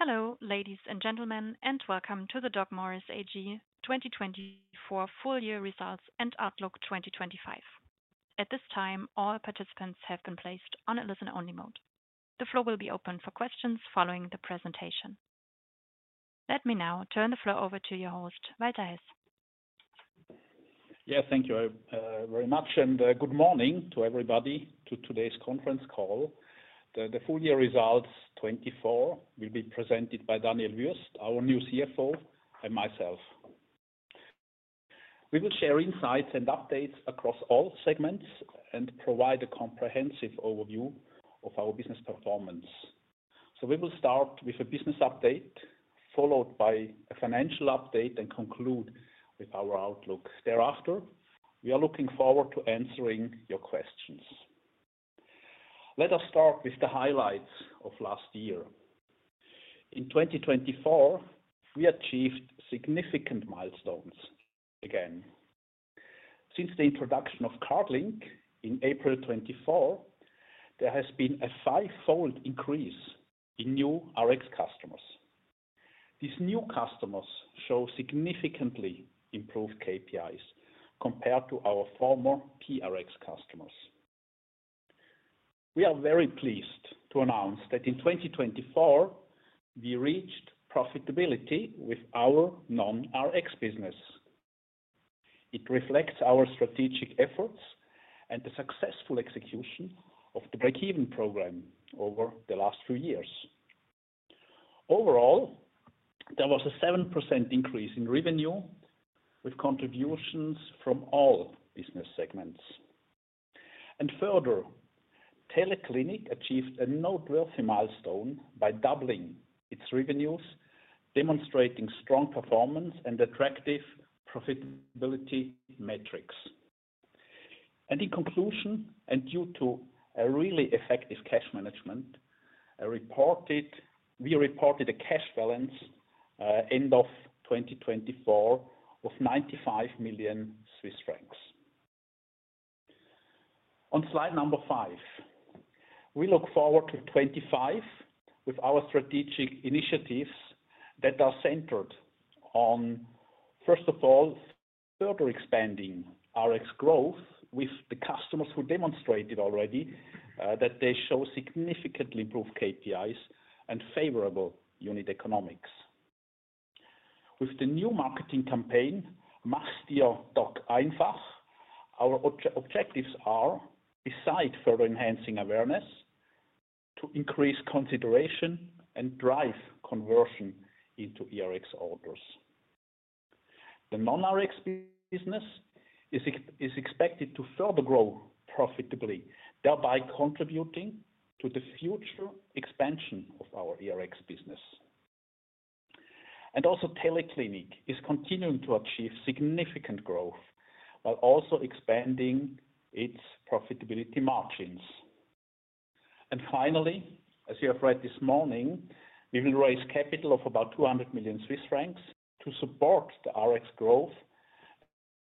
Hello, ladies and gentlemen, and welcome to the DocMorris AG 2024 full-year results and Outlook 2025. At this time, all participants have been placed on a listen-only mode. The floor will be open for questions following the presentation. Let me now turn the floor over to your host, Walter Hess. Yes, thank you very much, and good morning to everybody to today's conference call. The full-year results 2024 will be presented by Daniel Wüest, our new CFO, and myself. We will share insights and updates across all segments and provide a comprehensive overview of our business performance. We will start with a business update, followed by a financial update, and conclude with our outlook. Thereafter, we are looking forward to answering your questions. Let us start with the highlights of last year. In 2024, we achieved significant milestones again. Since the introduction of CardLink in April 2024, there has been a fivefold increase in new Rx customers. These new customers show significantly improved KPIs compared to our former PRx customers. We are very pleased to announce that in 2024, we reached profitability with our non-Rx business. It reflects our strategic efforts and the successful execution of the break-even program over the last few years. Overall, there was a 7% increase in revenue with contributions from all business segments. Further, Teleclinic achieved a noteworthy milestone by doubling its revenues, demonstrating strong performance and attractive profitability metrics. In conclusion, and due to a really effective cash management, we reported a cash balance end of 2024 of CHF 95 million. On slide number five, we look forward to 2025 with our strategic initiatives that are centered on, first of all, further expanding Rx growth with the customers who demonstrated already that they show significantly improved KPIs and favorable unit economics. With the new marketing campaign, "Mach's dir doch einfach", our objectives are, besides further enhancing awareness, to increase consideration and drive conversion into ERX orders. The non-Rx business is expected to further grow profitably, thereby contributing to the future expansion of our ERX business. Teleclinic is continuing to achieve significant growth while also expanding its profitability margins. Finally, as you have read this morning, we will raise capital of about 200 million Swiss francs to support the Rx growth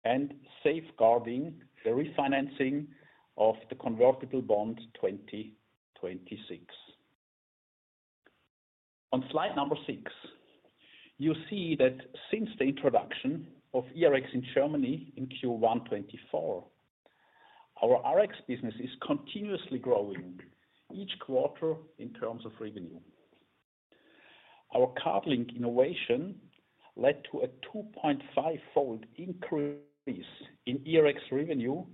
and safeguarding the refinancing of the convertible bond 2026. On slide number six, you see that since the introduction of ERX in Germany in Q1 2024, our Rx business is continuously growing each quarter in terms of revenue. Our CardLink innovation led to a 2.5-fold increase in ERX revenue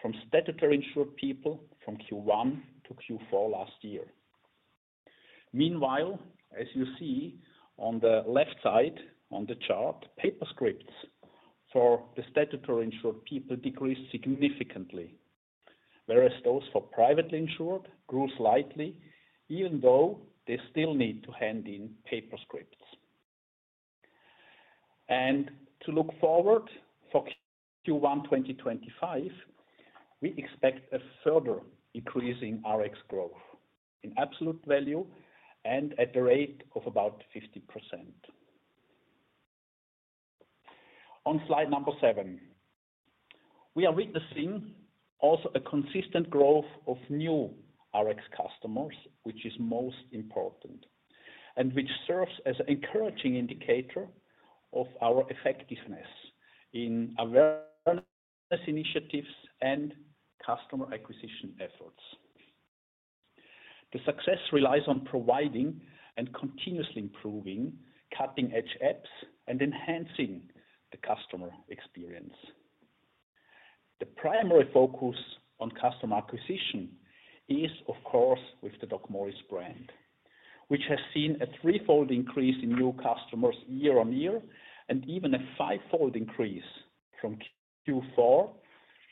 from statutory insured people from Q1 to Q4 last year. Meanwhile, as you see on the left side on the chart, paper scripts for the statutory insured people decreased significantly, whereas those for privately insured grew slightly, even though they still need to hand in paper scripts. To look forward for Q1 2025, we expect a further increase in Rx growth in absolute value and at the rate of about 50%. On slide number seven, we are witnessing also a consistent growth of new Rx customers, which is most important and which serves as an encouraging indicator of our effectiveness in awareness initiatives and customer acquisition efforts. The success relies on providing and continuously improving cutting-edge apps and enhancing the customer experience. The primary focus on customer acquisition is, of course, with the DocMorris brand, which has seen a threefold increase in new customers year on year and even a fivefold increase from Q4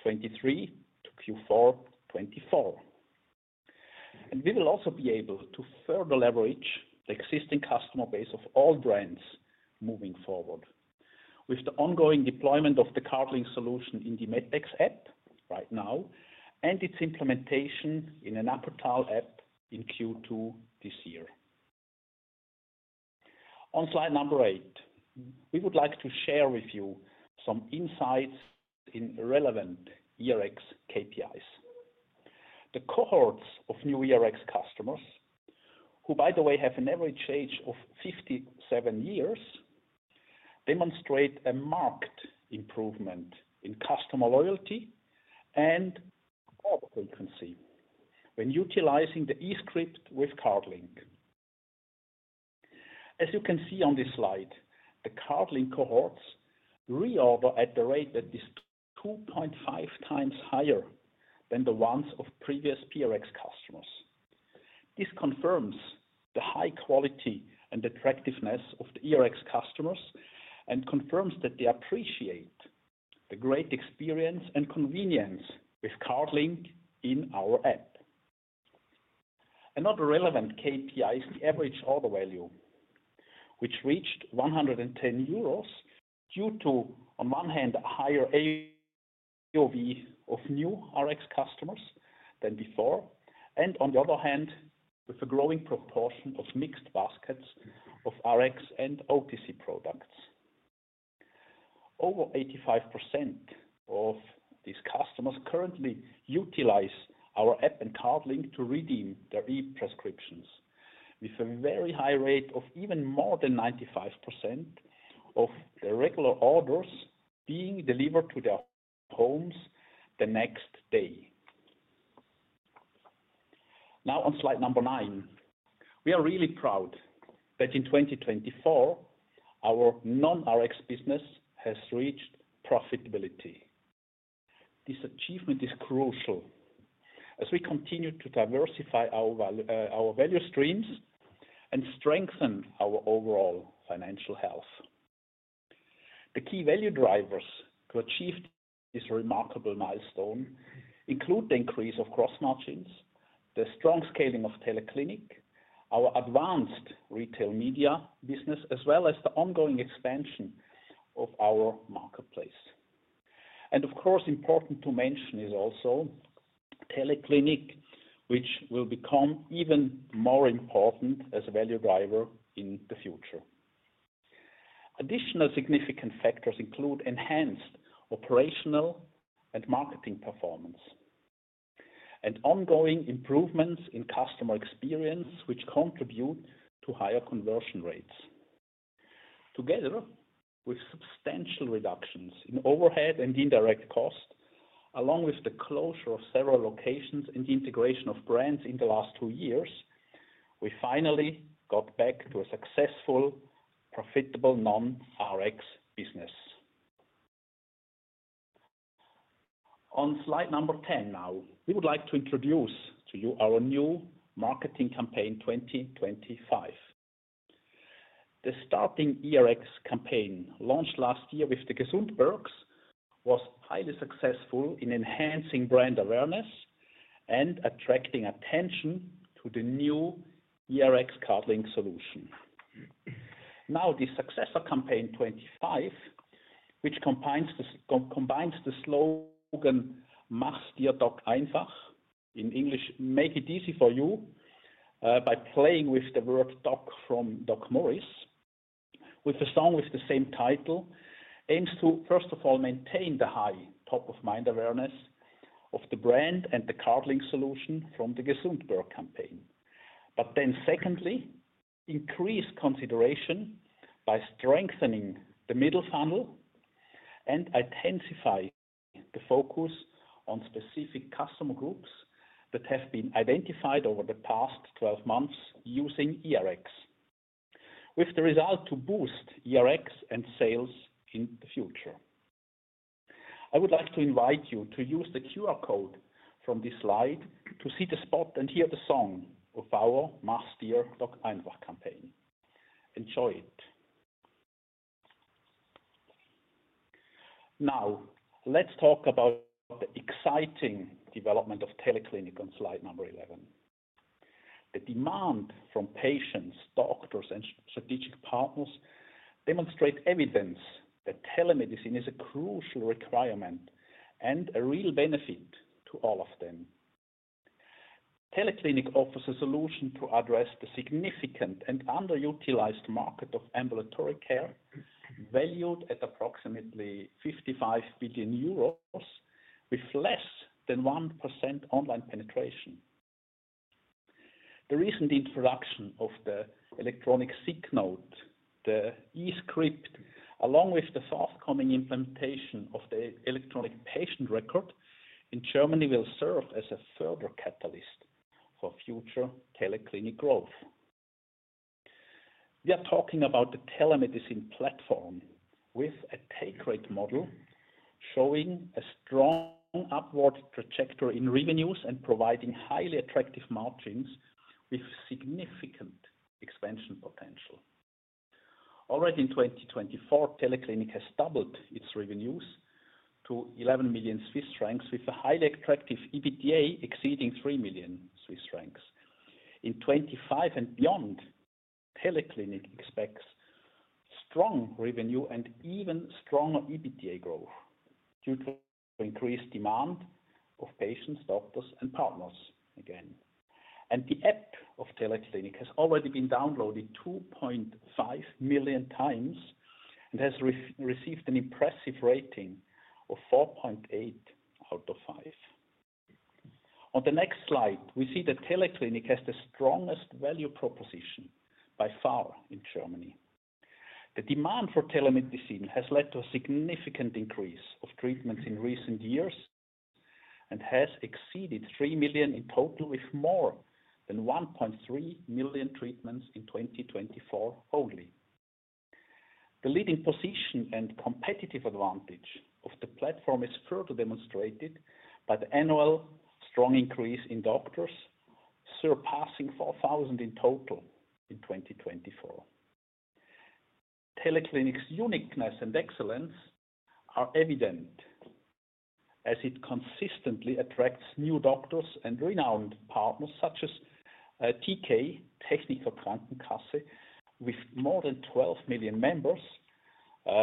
2023 to Q4 2024. We will also be able to further leverage the existing customer base of all brands moving forward with the ongoing deployment of the CardLink solution in the Medpex app right now and its implementation in an Apotheke in Q2 this year. On slide number eight, we would like to share with you some insights in relevant ERX KPIs. The cohorts of new ERX customers, who, by the way, have an average age of 57 years, demonstrate a marked improvement in customer loyalty and frequency when utilizing the e-script with CardLink. As you can see on this slide, the CardLink cohorts reorder at the rate that is 2.5 times higher than the ones of previous PRx customers. This confirms the high quality and attractiveness of the ERX customers and confirms that they appreciate the great experience and convenience with CardLink in our app. Another relevant KPI is the average order value, which reached 110 euros due to, on one hand, a higher AOV of new Rx customers than before, and on the other hand, with a growing proportion of mixed baskets of Rx and OTC products. Over 85% of these customers currently utilize our app and CardLink to redeem their e-prescriptions, with a very high rate of even more than 95% of their regular orders being delivered to their homes the next day. Now, on slide number nine, we are really proud that in 2024, our non-Rx business has reached profitability. This achievement is crucial as we continue to diversify our value streams and strengthen our overall financial health. The key value drivers to achieve this remarkable milestone include the increase of cross-margins, the strong scaling of TeleClinic, our advanced retail media business, as well as the ongoing expansion of our marketplace. Of course, important to mention is also Teleclinic, which will become even more important as a value driver in the future. Additional significant factors include enhanced operational and marketing performance and ongoing improvements in customer experience, which contribute to higher conversion rates. Together, with substantial reductions in overhead and indirect cost, along with the closure of several locations and the integration of brands in the last two years, we finally got back to a successful, profitable non-Rx business. On slide number 10 now, we would like to introduce to you our new marketing campaign 2025. The starting ERX campaign launched last year with the GesundBergs was highly successful in enhancing brand awareness and attracting attention to the new ERX CardLink solution. Now, the successor campaign 25, which combines the slogan "Mach's dir doch einfach," in English, "Make it easy for you," by playing with the word "doc" from DocMorris, with a song with the same title, aims to, first of all, maintain the high top-of-mind awareness of the brand and the CardLink solution from the GesundBerg campaign, but then secondly, increase consideration by strengthening the middle funnel and intensify the focus on specific customer groups that have been identified over the past 12 months using ERX, with the result to boost ERX and sales in the future. I would like to invite you to use the QR code from this slide to see the spot and hear the song of our "Mach's dir doch einfach" campaign. Enjoy it. Now, let's talk about the exciting development of Teleclinic on slide number 11. The demand from patients, doctors, and strategic partners demonstrates evidence that telemedicine is a crucial requirement and a real benefit to all of them. Teleclinic offers a solution to address the significant and underutilized market of ambulatory care, valued at approximately 55 billion euros, with less than 1% online penetration. The recent introduction of the electronic sick note, the e-prescription, along with the forthcoming implementation of the electronic patient record in Germany, will serve as a further catalyst for future Teleclinic growth. We are talking about the telemedicine platform with a take-rate model showing a strong upward trajectory in revenues and providing highly attractive margins with significant expansion potential. Already in 2024, Teleclinic has doubled its revenues to 11 million Swiss francs, with a highly attractive EBITDA exceeding 3 million Swiss francs. In 2025 and beyond, Teleclinic expects strong revenue and even stronger EBITDA growth due to increased demand of patients, doctors, and partners again. The app of Teleclinic has already been downloaded 2.5 million times and has received an impressive rating of 4.8 out of 5. On the next slide, we see that Teleclinic has the strongest value proposition by far in Germany. The demand for telemedicine has led to a significant increase of treatments in recent years and has exceeded 3 million in total, with more than 1.3 million treatments in 2024 only. The leading position and competitive advantage of the platform is further demonstrated by the annual strong increase in doctors surpassing 4,000 in total in 2024. Teleclinic's uniqueness and excellence are evident as it consistently attracts new doctors and renowned partners such as TK Techniker Krankenkasse, with more than 12 million members,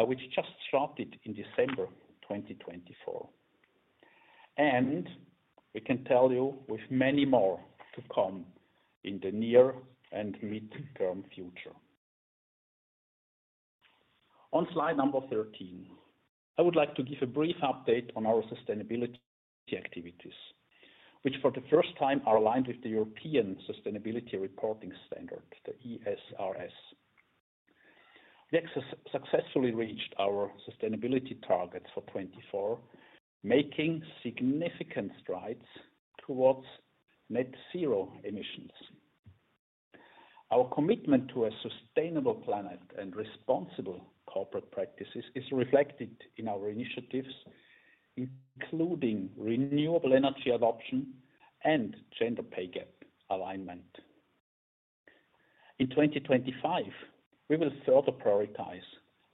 which just started in December 2024. We can tell you with many more to come in the near and mid-term future. On slide number 13, I would like to give a brief update on our sustainability activities, which for the first time are aligned with the European Sustainability Reporting Standard, the ESRS. We have successfully reached our sustainability targets for 2024, making significant strides towards net zero emissions. Our commitment to a sustainable planet and responsible corporate practices is reflected in our initiatives, including renewable energy adoption and gender pay gap alignment. In 2025, we will further prioritize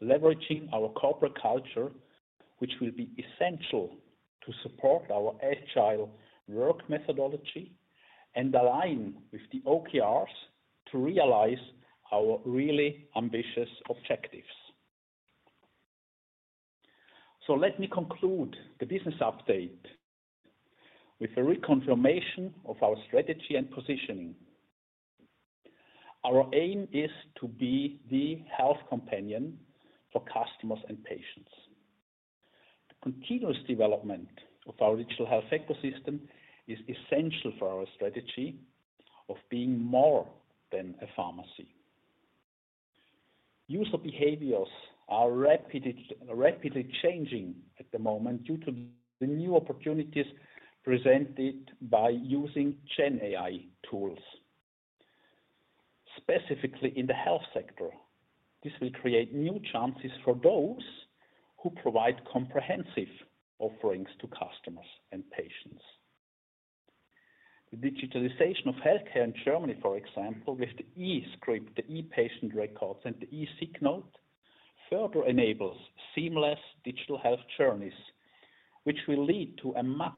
leveraging our corporate culture, which will be essential to support our agile work methodology and align with the OKRs to realize our really ambitious objectives. Let me conclude the business update with a reconfirmation of our strategy and positioning. Our aim is to be the health companion for customers and patients. The continuous development of our digital health ecosystem is essential for our strategy of being more than a pharmacy. User behaviors are rapidly changing at the moment due to the new opportunities presented by using GenAI tools. Specifically in the health sector, this will create new chances for those who provide comprehensive offerings to customers and patients. The digitalization of healthcare in Germany, for example, with the e-prescription, the e-patient record, and the e-sick note further enables seamless digital health journeys, which will lead to a much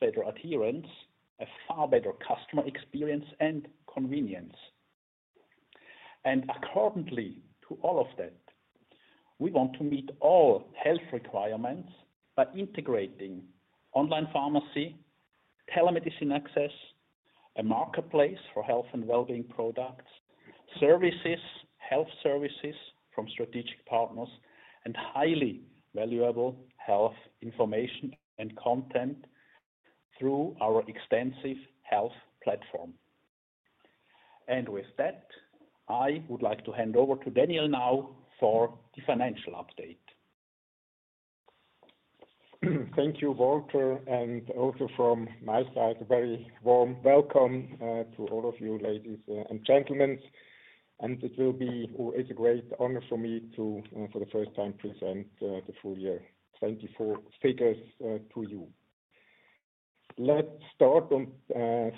better adherence, a far better customer experience, and convenience. Accordingly to all of that, we want to meet all health requirements by integrating online pharmacy, telemedicine access, a marketplace for health and well-being products, health services from strategic partners, and highly valuable health information and content through our extensive health platform. With that, I would like to hand over to Daniel now for the financial update. Thank you, Walter, and also from my side, a very warm welcome to all of you, ladies and gentlemen. It will be a great honor for me to, for the first time, present the full year 2024 figures to you. Let's start on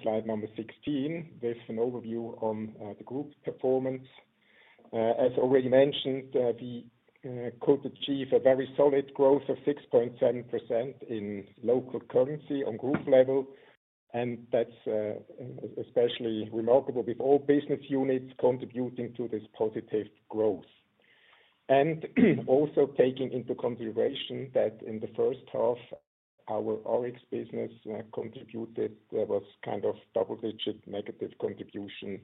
slide number 16 with an overview on the group performance. As already mentioned, we could achieve a very solid growth of 6.7% in local currency on group level, and that is especially remarkable with all business units contributing to this positive growth. Also taking into consideration that in the first half, our Rx business contributed was kind of double-digit negative contribution,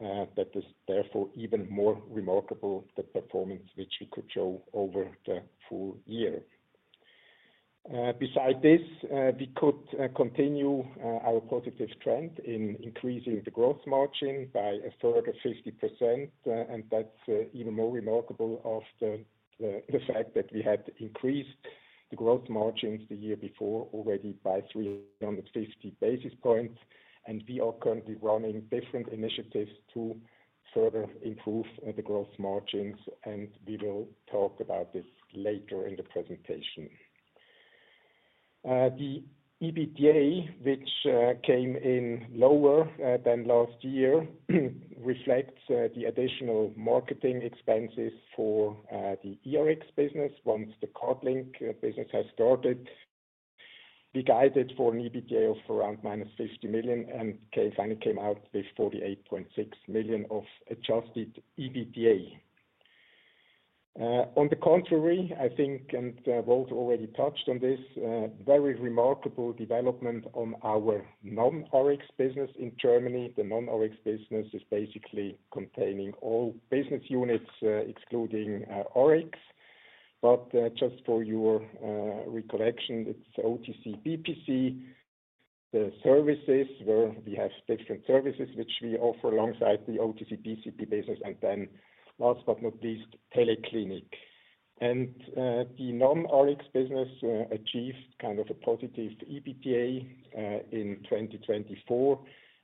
that is therefore even more remarkable the performance which we could show over the full year. Beside this, we could continue our positive trend in increasing the growth margin by a further 50%, and that's even more remarkable of the fact that we had increased the growth margins the year before already by 350 basis points. We are currently running different initiatives to further improve the growth margins, and we will talk about this later in the presentation. The EBITDA, which came in lower than last year, reflects the additional marketing expenses for the ERX business once the CardLink business has started. We guided for an EBITDA of around -50 million and finally came out with 48.6 million of adjusted EBITDA. On the contrary, I think, and Walter already touched on this, very remarkable development on our non-Rx business in Germany. The non-Rx business is basically containing all business units excluding Rx. Just for your recollection, it's OTC BPC. The services where we have different services, which we offer alongside the OTC BPC business, and last but not least, Teleclinic. The non-Rx business achieved kind of a positive EBITDA in 2024,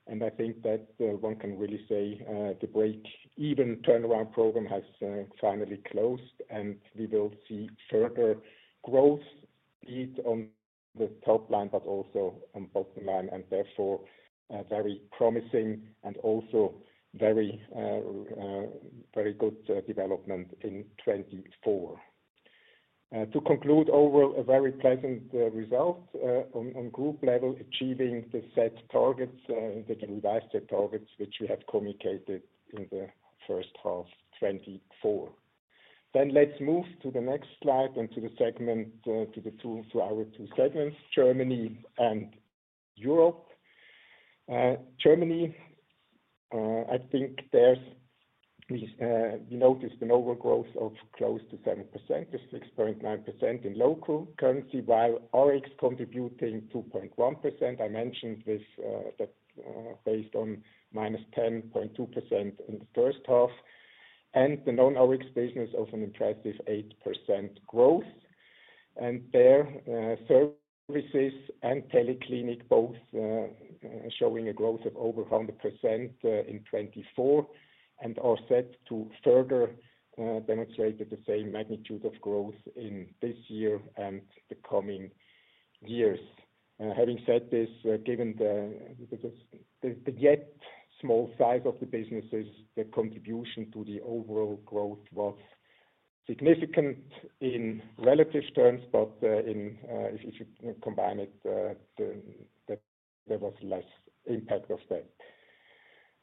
and I think that one can really say the break-even turnaround program has finally closed. We will see further growth on the top line, but also on bottom line, and therefore very promising and also very good development in 2024. To conclude, overall, a very pleasant result on group level achieving the set targets, the revised set targets, which we have communicated in the first half 2024. Let's move to the next slide and to the segment, to our two segments, Germany and Europe. Germany, I think there's we noticed an overgrowth of close to 7%, just 6.9% in local currency, while Rx contributing 2.1%. I mentioned this based on minus 10.2% in the first half, and the non-Rx business of an impressive 8% growth. Their services and Teleclinic both showing a growth of over 100% in 2024 and are set to further demonstrate the same magnitude of growth in this year and the coming years. Having said this, given the yet small size of the businesses, the contribution to the overall growth was significant in relative terms, but if you combine it, there was less impact of that.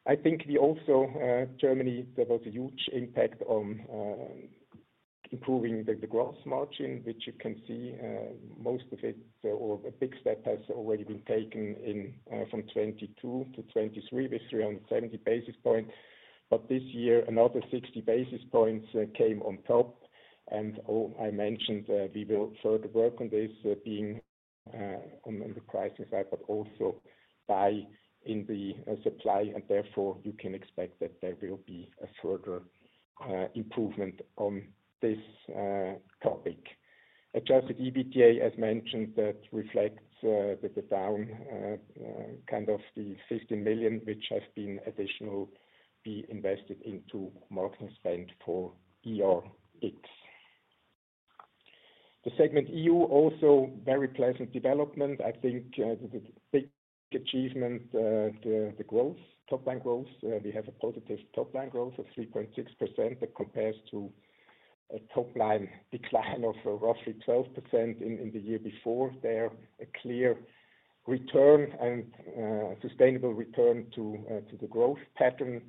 I think we also, Germany, there was a huge impact on improving the gross margin, which you can see most of it, or a big step has already been taken from 2022 to 2023 with 370 basis points. This year, another 60 basis points came on top. I mentioned we will further work on this being on the pricing side, but also by in the supply, and therefore you can expect that there will be a further improvement on this topic. Adjusted EBITDA, as mentioned, that reflects the down kind of the 15 million, which has been additionally invested into marketing spend for ERX. The segment EU, also very pleasant development. I think the big achievement, the growth, top line growth, we have a positive top line growth of 3.6% that compares to a top line decline of roughly 12% in the year before. There is a clear return and sustainable return to the growth pattern.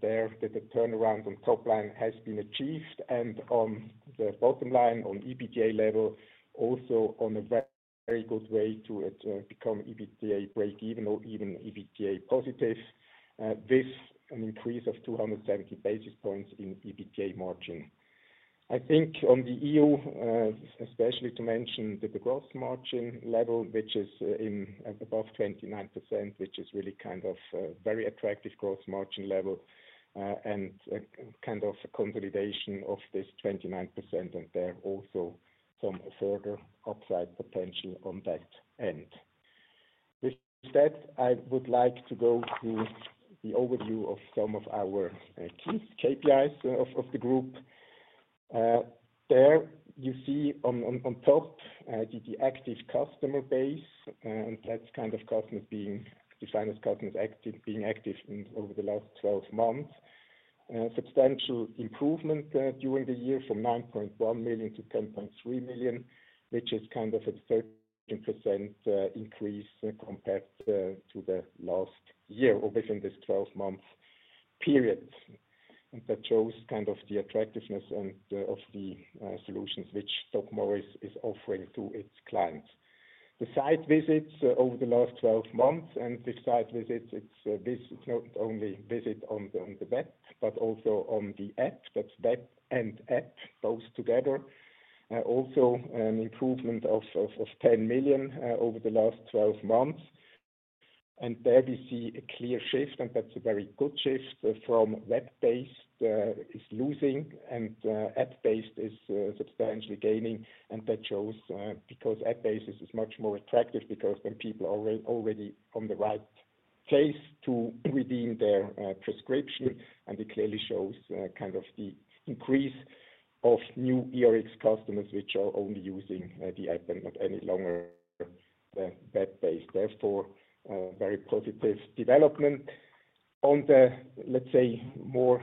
There, the turnaround on top line has been achieved, and on the bottom line on EBITDA level, also on a very good way to become EBITDA break-even or even EBITDA positive with an increase of 270 basis points in EBITDA margin. I think on the EU, especially to mention that the gross margin level, which is above 29%, which is really kind of a very attractive gross margin level and kind of a consolidation of this 29%, and there is also some further upside potential on that end. With that, I would like to go to the overview of some of our key KPIs of the group. There you see on top the active customer base, and that's kind of customers being defined as customers being active over the last 12 months. Substantial improvement during the year from 9.1 million to 10.3 million, which is kind of a 13% increase compared to the last year or within this 12-month period. That shows kind of the attractiveness of the solutions which DocMorris is offering to its clients. The site visits over the last 12 months, and this site visit, it's not only visit on the web, but also on the app, that's web and app both together. Also an improvement of 10 million over the last 12 months. There we see a clear shift, and that's a very good shift from web-based is losing and app-based is substantially gaining. That shows because app-based is much more attractive because then people are already on the right place to redeem their prescription, and it clearly shows kind of the increase of new ERX customers which are only using the app and not any longer web-based. Therefore, very positive development. On the, let's say, more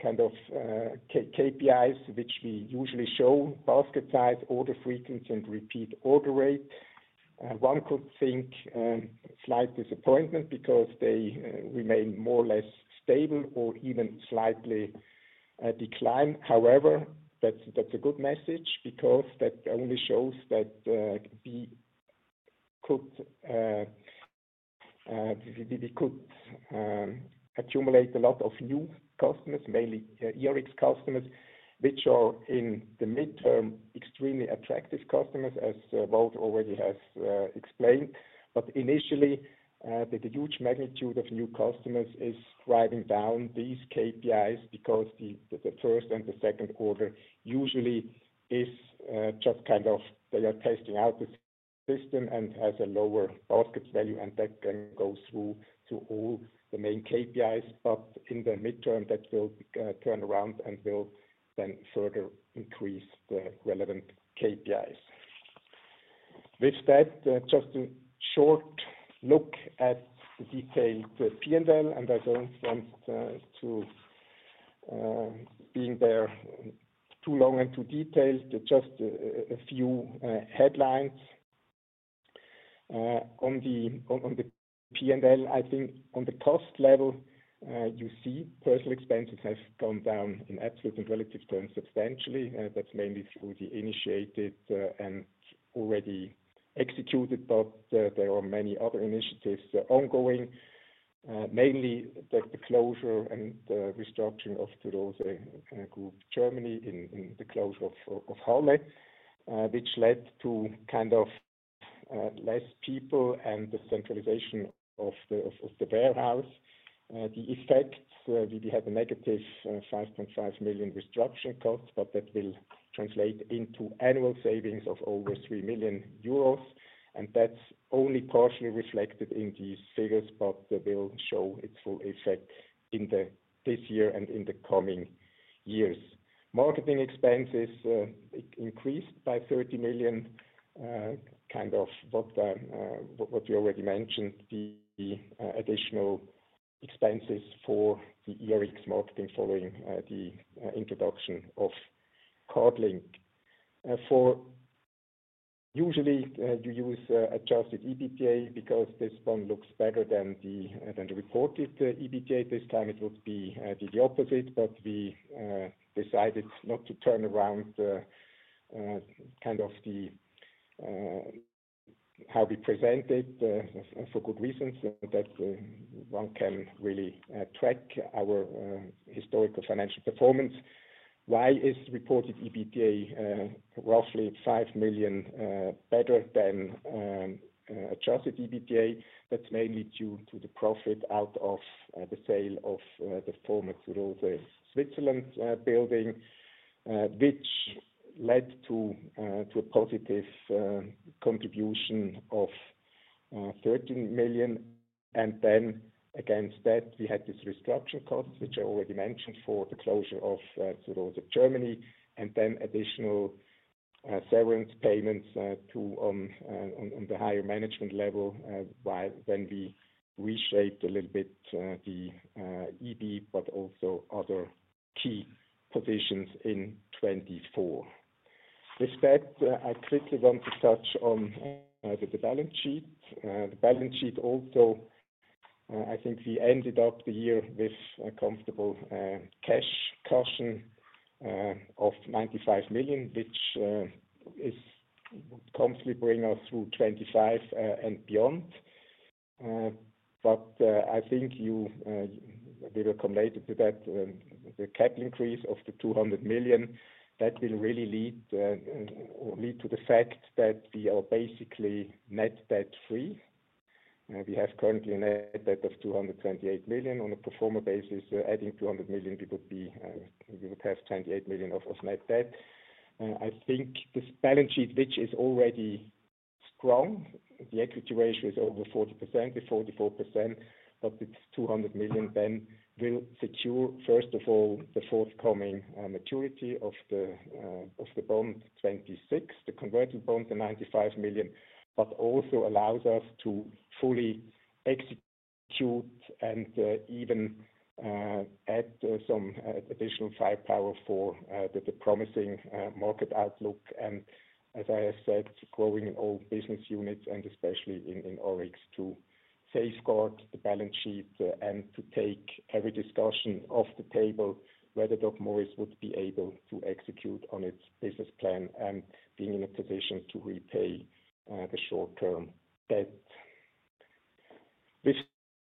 kind of KPIs, which we usually show, basket size, order frequency, and repeat order rate. One could think slight disappointment because they remain more or less stable or even slightly decline. However, that's a good message because that only shows that we could accumulate a lot of new customers, mainly ERX customers, which are in the midterm extremely attractive customers, as Walter already has explained. Initially, the huge magnitude of new customers is driving down these KPIs because the first and the second order usually is just kind of they are testing out the system and has a lower basket value, and that can go through to all the main KPIs. In the midterm, that will turn around and will then further increase the relevant KPIs. With that, just a short look at the detailed P&L, and I do not want to be there too long and too detailed, just a few headlines. On the P&L, I think on the cost level, you see personnel expenses have gone down in absolute and relative terms substantially. That's mainly through the initiated and already executed, but there are many other initiatives ongoing, mainly the closure and restructuring of the group Germany in the closure of Harley, which led to kind of less people and the centralization of the warehouse. The effects, we had a negative 5.5 million restructuring cost, but that will translate into annual savings of over 3 million euros, and that's only partially reflected in these figures, but they will show its full effect this year and in the coming years. Marketing expenses increased by 30 million, kind of what we already mentioned, the additional expenses for the ERX marketing following the introduction of CardLink. For usually, you use adjusted EBITDA because this one looks better than the reported EBITDA. This time, it would be the opposite, but we decided not to turn around kind of how we presented for good reasons that one can really track our historical financial performance. Why is reported EBITDA roughly 5 million better than adjusted EBITDA? That's mainly due to the profit out of the sale of the former Switzerland building, which led to a positive contribution of 13 million. Against that, we had this restructuring cost, which I already mentioned for the closure of Switzerland Germany, and then additional severance payments on the higher management level when we reshaped a little bit the EB, but also other key positions in 2024. With that, I quickly want to touch on the balance sheet. The balance sheet also, I think we ended up the year with a comfortable cash cushion of 95 million, which is comfortably bring us through 2025 and beyond. I think you will come later to that, the capital increase of the 200 million, that will really lead to the fact that we are basically net debt free. We have currently a net debt of 228 million on a pro forma basis. Adding 200 million, we would have 28 million of net debt. I think this balance sheet, which is already strong, the equity ratio is over 40%, 44%, but this 200 million then will secure, first of all, the forthcoming maturity of the bond 2026, the converting bond to 95 million, but also allows us to fully execute and even add some additional firepower for the promising market outlook. As I have said, growing in all business units and especially in Rx to safeguard the balance sheet and to take every discussion off the table, whether DocMorris would be able to execute on its business plan and being in a position to repay the short-term debt. With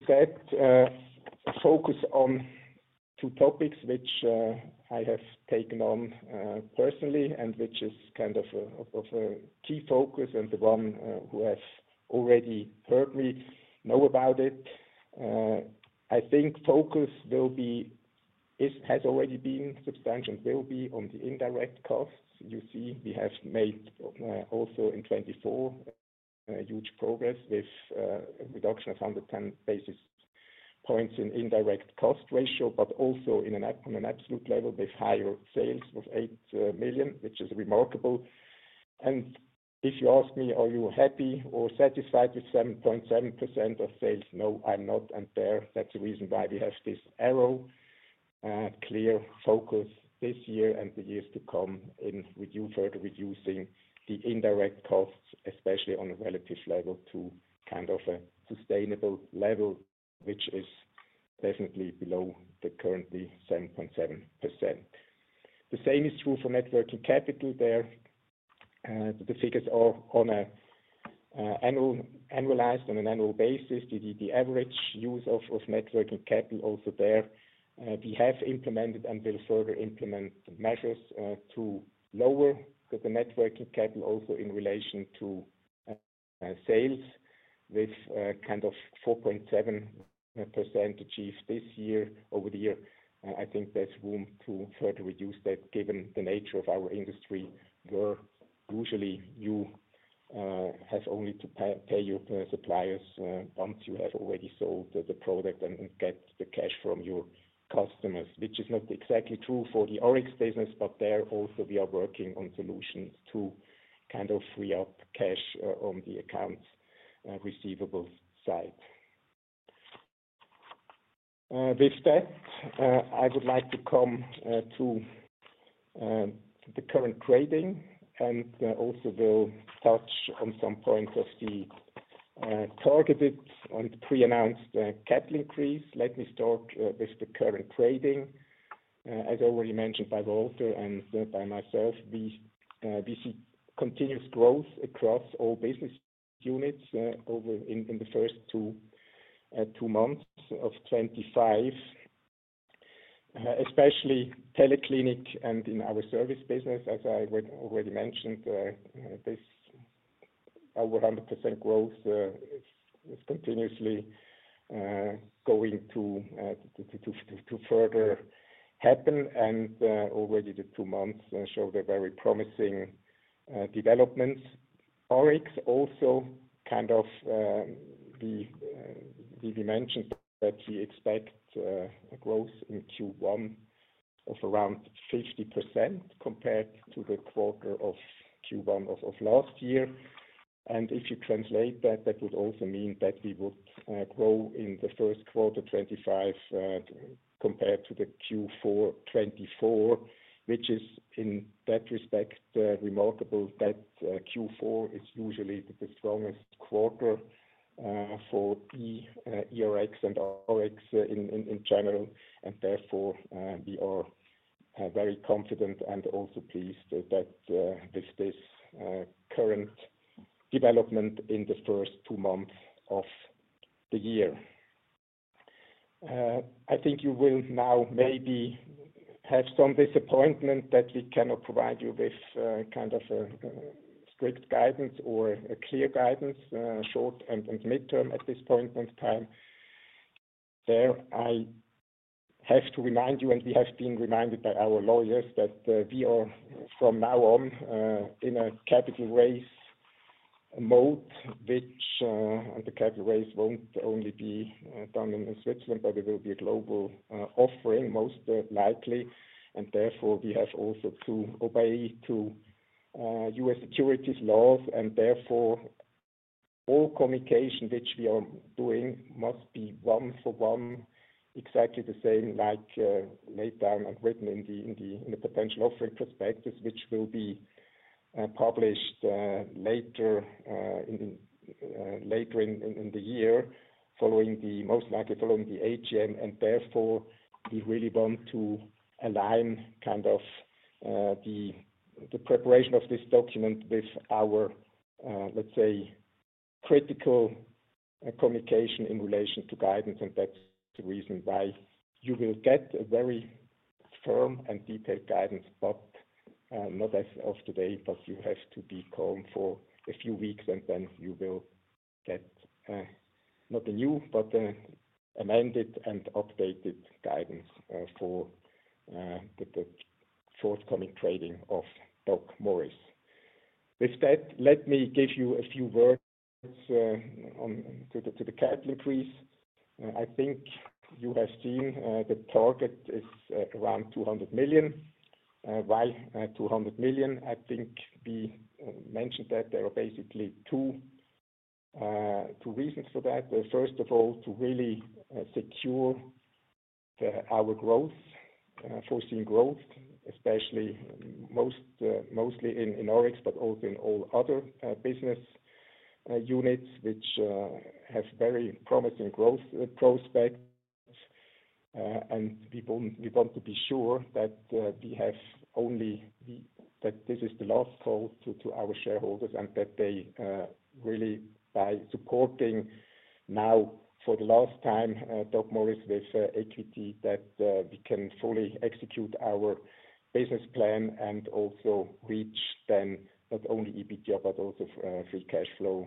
that, a focus on two topics which I have taken on personally and which is kind of a key focus and the one who has already heard me know about it. I think focus will be, has already been substantial, will be on the indirect costs. You see, we have made also in 2024 huge progress with a reduction of 110 basis points in indirect cost ratio, but also on an absolute level with higher sales of eight million, which is remarkable. If you ask me, are you happy or satisfied with 7.7% of sales? No, I'm not. That is the reason why we have this arrow, clear focus this year and the years to come in further reducing the indirect costs, especially on a relative level to kind of a sustainable level, which is definitely below the currently 7.7%. The same is true for networking capital. There, the figures are on an annualized on an annual basis, the average use of networking capital also there. We have implemented and will further implement measures to lower the networking capital also in relation to sales with kind of 4.7% achieved this year over the year. I think there's room to further reduce that given the nature of our industry where usually you have only to pay your suppliers once you have already sold the product and get the cash from your customers, which is not exactly true for the Rx business, but there also we are working on solutions to kind of free up cash on the accounts receivable side. With that, I would like to come to the current trading and also we'll touch on some points of the targeted and pre-announced capital increase. Let me start with the current trading. As already mentioned by Walter and by myself, we see continuous growth across all business units over in the first two months of 2025, especially Teleclinic and in our service business. As I already mentioned, this our 100% growth is continuously going to further happen, and already the two months show the very promising developments. RX also kind of we mentioned that we expect growth in Q1 of around 50% compared to the quarter of Q1 of last year. If you translate that, that would also mean that we would grow in the first quarter 2025 compared to the Q4 2024, which is in that respect remarkable that Q4 is usually the strongest quarter for ERX and RX in general. Therefore, we are very confident and also pleased that with this current development in the first two months of the year. I think you will now maybe have some disappointment that we cannot provide you with kind of a strict guidance or a clear guidance short and midterm at this point in time. There I have to remind you, and we have been reminded by our lawyers that we are from now on in a capital raise mode, which the capital raise will not only be done in Switzerland, but it will be a global offering most likely. Therefore, we have also to obey to U.S. securities laws, and therefore all communication which we are doing must be one for one, exactly the same like laid down and written in the potential offering prospectus, which will be published later in the year following the most likely following the AGM. Therefore, we really want to align kind of the preparation of this document with our, let's say, critical communication in relation to guidance. That is the reason why you will get a very firm and detailed guidance, but not as of today. You have to be calm for a few weeks, and then you will get not the new, but the amended and updated guidance for the forthcoming trading of DocMorris. With that, let me give you a few words to the capital increase. I think you have seen the target is around 200 million. Why 200 million? I think we mentioned that there are basically two reasons for that. First of all, to really secure our growth, foreseeing growth, especially mostly in Rx, but also in all other business units which have very promising growth prospects. We want to be sure that we have only that this is the last call to our shareholders and that they really by supporting now for the last time DocMorris with equity that we can fully execute our business plan and also reach then not only EBITDA, but also free cash flow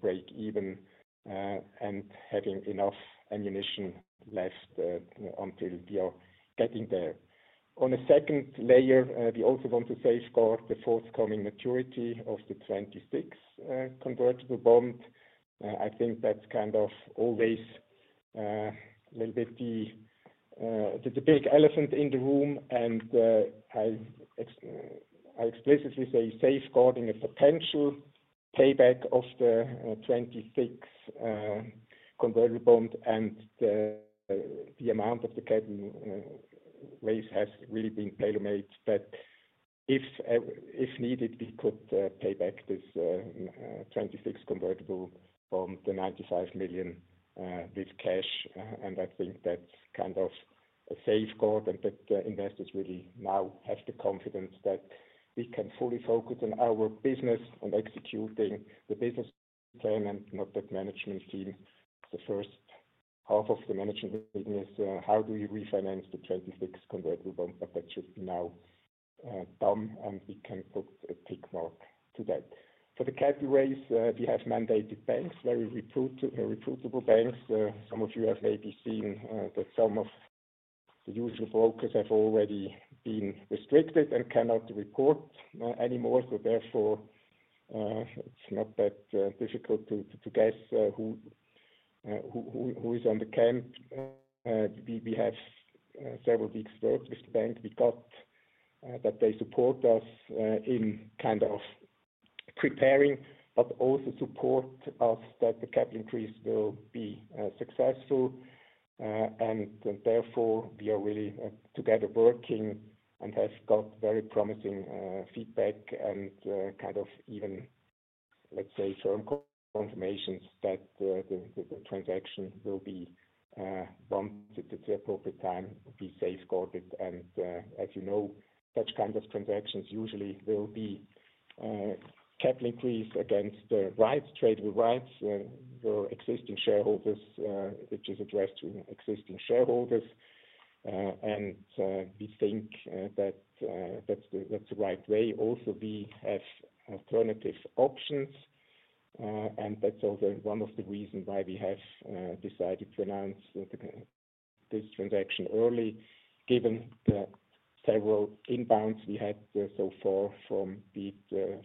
break even and having enough ammunition left until we are getting there. On a second layer, we also want to safeguard the forthcoming maturity of the 2026 convertible bond. I think that's kind of always a little bit the big elephant in the room, and I explicitly say safeguarding a potential payback of the 2026 convertible bond and the amount of the capital raise has really been tailor-made that if needed, we could pay back this 2026 convertible bond, the 95 million with cash. I think that's kind of safeguard and that investors really now have the confidence that we can fully focus on our business and executing the business plan and not that management team. The first half of the management is how do you refinance the 2026 convertible bond, but that should be now done, and we can put a tick mark to that. For the capital raise, we have mandated banks, very reputable banks. Some of you have maybe seen that some of the usual brokers have already been restricted and cannot report anymore. Therefore, it's not that difficult to guess who is on the camp. We have several weeks worked with the bank. We got that they support us in kind of preparing, but also support us that the capital increase will be successful. Therefore, we are really together working and have got very promising feedback and kind of even, let's say, firm confirmations that the transaction will be bonded at the appropriate time, be safeguarded. As you know, such kind of transactions usually will be capital increase against the rights, tradable rights for existing shareholders, which is addressed to existing shareholders. We think that that's the right way. Also, we have alternative options, and that's also one of the reasons why we have decided to announce this transaction early, given the several inbounds we had so far from the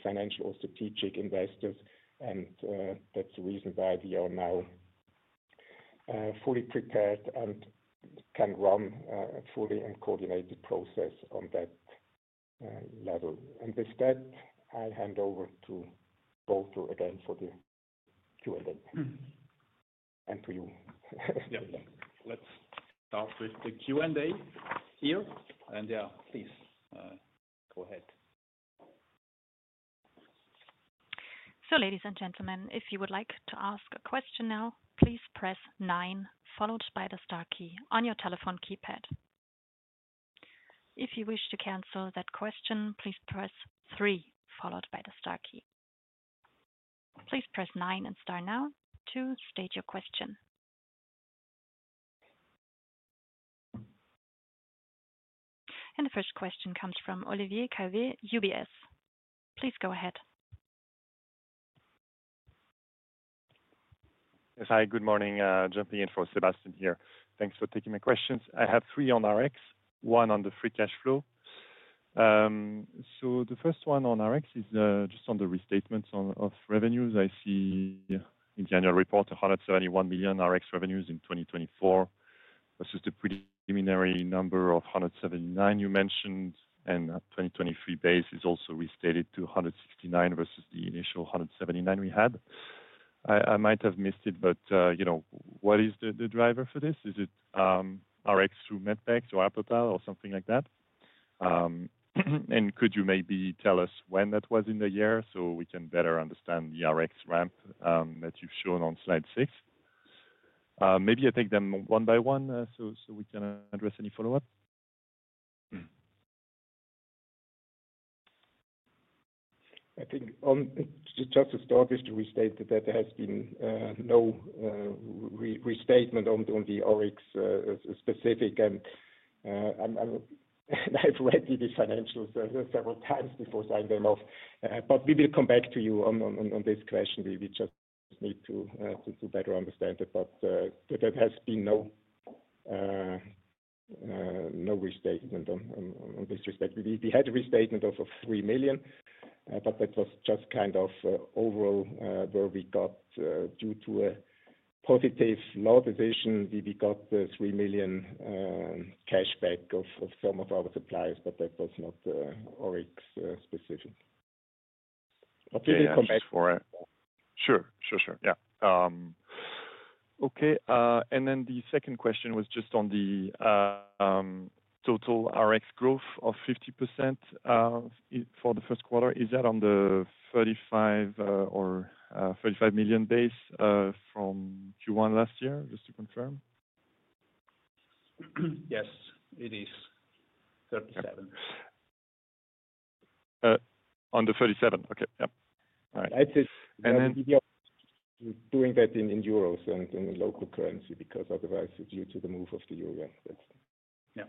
financial or strategic investors. That's the reason why we are now fully prepared and can run a fully and coordinated process on that level. With that, I hand over to Walter again for the Q&A and to you. Yeah, let's start with the Q&A here. Yeah, please go ahead. Ladies and gentlemen, if you would like to ask a question now, please press nine followed by the star key on your telephone keypad. If you wish to cancel that question, please press three followed by the star key. Please press nine and star now to state your question. The first question comes from Olivier Calvet, UBS. Please go ahead. Yes, hi, good morning. Jumping in for Sebastian here. Thanks for taking my questions. I have three on Rx, one on the free cash flow. The first one on Rx is just on the restatements of revenues. I see in the annual report, 171 million Rx revenues in 2024 versus the preliminary number of 179 million you mentioned. The 2023 base is also restated to 169 million versus the initial 179 million we had. I might have missed it, but what is the driver for this? Is it Rx through Medpex or Apotal or something like that? Could you maybe tell us when that was in the year so we can better understand the Rx ramp that you've shown on slide six? Maybe I take them one by one so we can address any follow-up. I think just to start, just to restate that there has been no restatement on the Rx specific. I have read the financials several times before signing them off, but we will come back to you on this question. We just need to better understand it, but there has been no restatement on this respect. We had a restatement of three million, but that was just kind of overall where we got due to a positive lot decision. We got 3 million cash back of some of our suppliers, but that was not Rx specific. We will come back. Sure, sure, sure. Yeah. Okay. The second question was just on the total Rx growth of 50% for the first quarter. Is that on the 35 or 35 million base from Q1 last year? Just to confirm. Yes, it is 37. On the 37. Okay. Yeah. All right. Doing that in euros and in local currency because otherwise due to the move of the euro, yeah.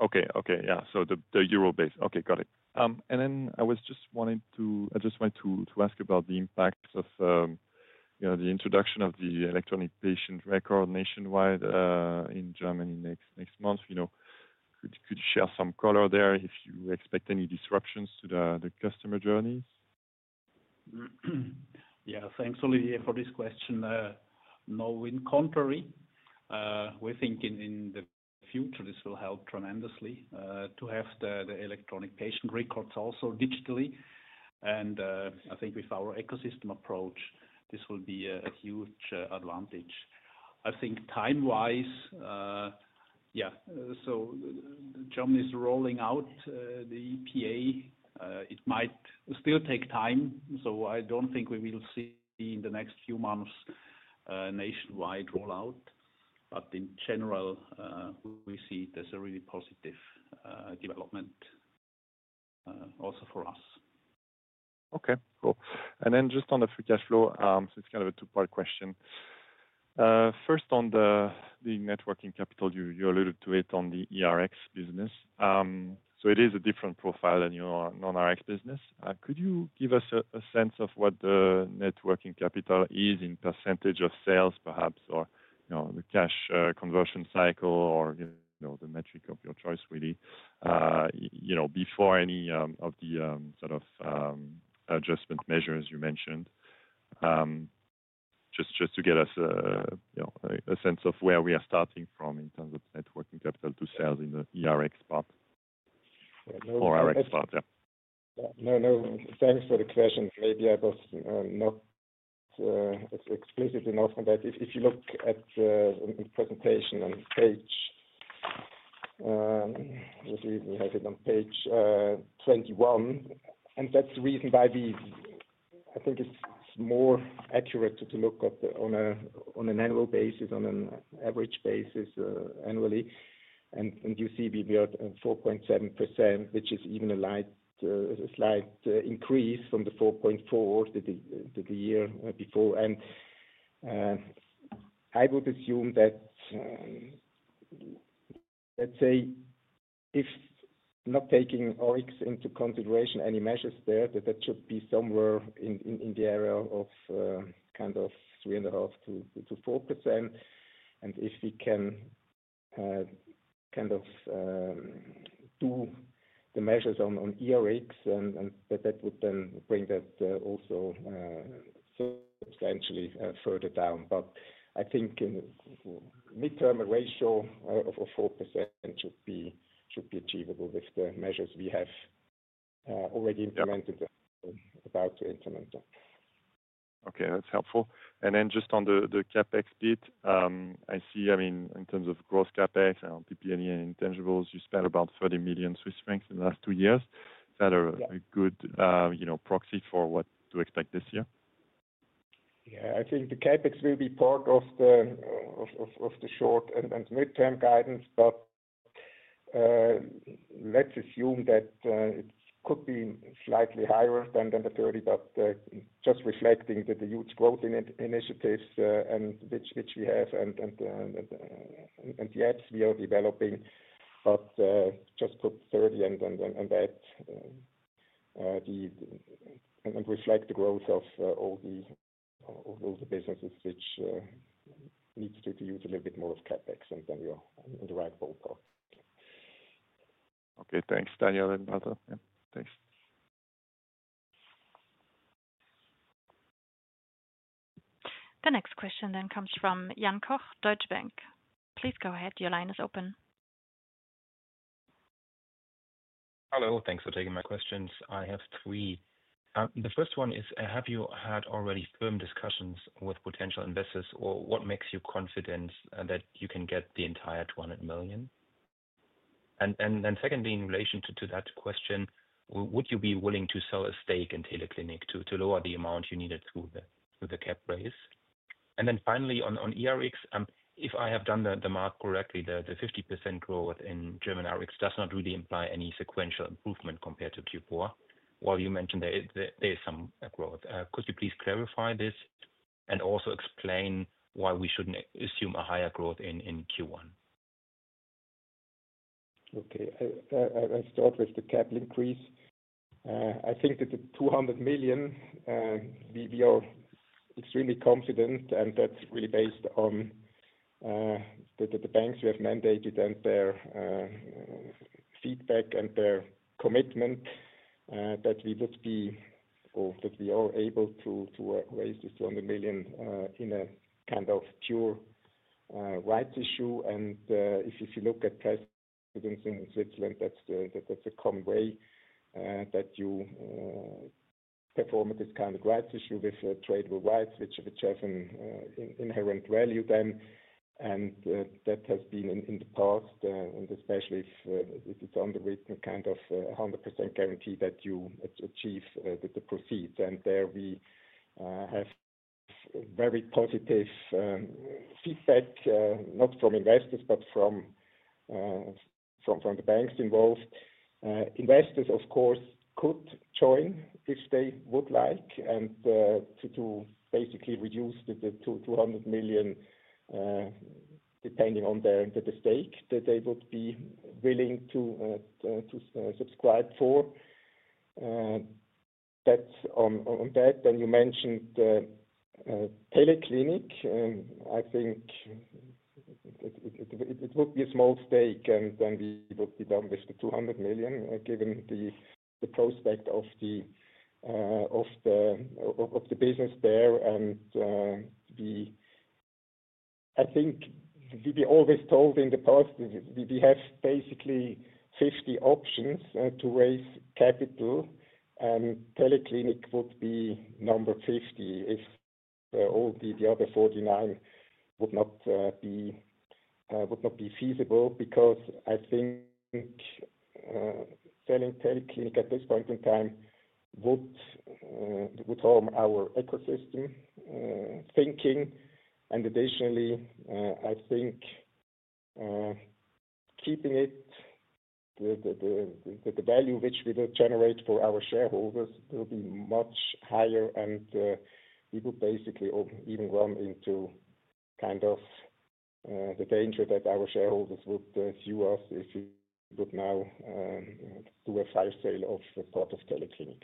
Okay. Okay. Yeah. The euro base. Okay. Got it. I was just wanting to, I just wanted to ask about the impact of the introduction of the electronic patient record nationwide in Germany next month. Could you share some color there if you expect any disruptions to the customer journeys? Yeah. Thanks, Olivier, for this question. No, in contrary. We're thinking in the future this will help tremendously to have the electronic patient records also digitally. I think with our ecosystem approach, this will be a huge advantage. I think time-wise, yeah. Germany is rolling out the EPA. It might still take time. I don't think we will see in the next few months nationwide rollout. In general, we see there's a really positive development also for us. Okay. Cool. Then just on the free cash flow, it's kind of a two-part question. First, on the networking capital, you alluded to it on the ERX business. It is a different profile than your non-Rx business. Could you give us a sense of what the networking capital is in percentage of sales perhaps, or the cash conversion cycle, or the metric of your choice really before any of the sort of adjustment measures you mentioned? Just to get us a sense of where we are starting from in terms of networking capital to sales in the ERX part or RX part. Yeah. No, no. Thanks for the question. Maybe I was not explicit enough on that. If you look at the presentation on page, we have it on page 21. That is the reason why I think it is more accurate to look at on an annual basis, on an average basis annually. You see we are at 4.7%, which is even a slight increase from the 4.4% the year before. I would assume that, let's say, if not taking Rx into consideration any measures there, that that should be somewhere in the area of kind of 3.5-4%. If we can kind of do the measures on ERX, then that would then bring that also substantially further down. I think midterm ratio of 4% should be achievable with the measures we have already implemented and about to implement. Okay. That's helpful. Then just on the CapEx bit, I see, I mean, in terms of gross CapEx and PP&E intangibles, you spent about 30 million Swiss francs in the last two years. Is that a good proxy for what to expect this year? Yeah. I think the CapEx will be part of the short and midterm guidance, but let's assume that it could be slightly higher than the 30, just reflecting the huge growth initiatives which we have and the apps we are developing. Just put 30 and that and reflect the growth of all the businesses which need to use a little bit more of CapEx, and then you're in the right ballpark. Okay. Thanks, Daniel and Arthur. Yeah. Thanks. The next question then comes from Jan Koch, Deutsche Bank. Please go ahead. Your line is open. Hello. Thanks for taking my questions. I have three. The first one is, have you had already firm discussions with potential investors, or what makes you confident that you can get the entire 200 million? Secondly, in relation to that question, would you be willing to sell a stake in Teleclinic to lower the amount you needed through the CapEx raise? Finally, on ERX, if I have done the math correctly, the 50% growth in German Rx does not really imply any sequential improvement compared to Q4. While you mentioned there is some growth, could you please clarify this and also explain why we should not assume a higher growth in Q1? Okay. I'll start with the CapEx increase. I think that the 200 million, we are extremely confident, and that's really based on the banks we have mandated and their feedback and their commitment that we would be or that we are able to raise this 200 million in a kind of pure rights issue. If you look at precedents in Switzerland, that's a common way that you perform at this kind of rights issue with tradable rights, which have an inherent value then. That has been in the past, and especially if it's underwritten, kind of 100% guarantee that you achieve the proceeds. There we have very positive feedback, not from investors, but from the banks involved. Investors, of course, could join if they would like and to basically reduce the 200 million depending on the stake that they would be willing to subscribe for. That's on that. You mentioned TeleClinic. I think it would be a small stake, and then we would be done with the 200 million given the prospect of the business there. I think we were always told in the past that we have basically 50 options to raise capital, and Teleclinic would be number 50 if all the other 49 would not be feasible because I think selling Teleclinic at this point in time would harm our ecosystem thinking. Additionally, I think keeping it, the value which we will generate for our shareholders will be much higher, and we would basically even run into kind of the danger that our shareholders would sue us if we would now do a fire sale of part of Teleclinic.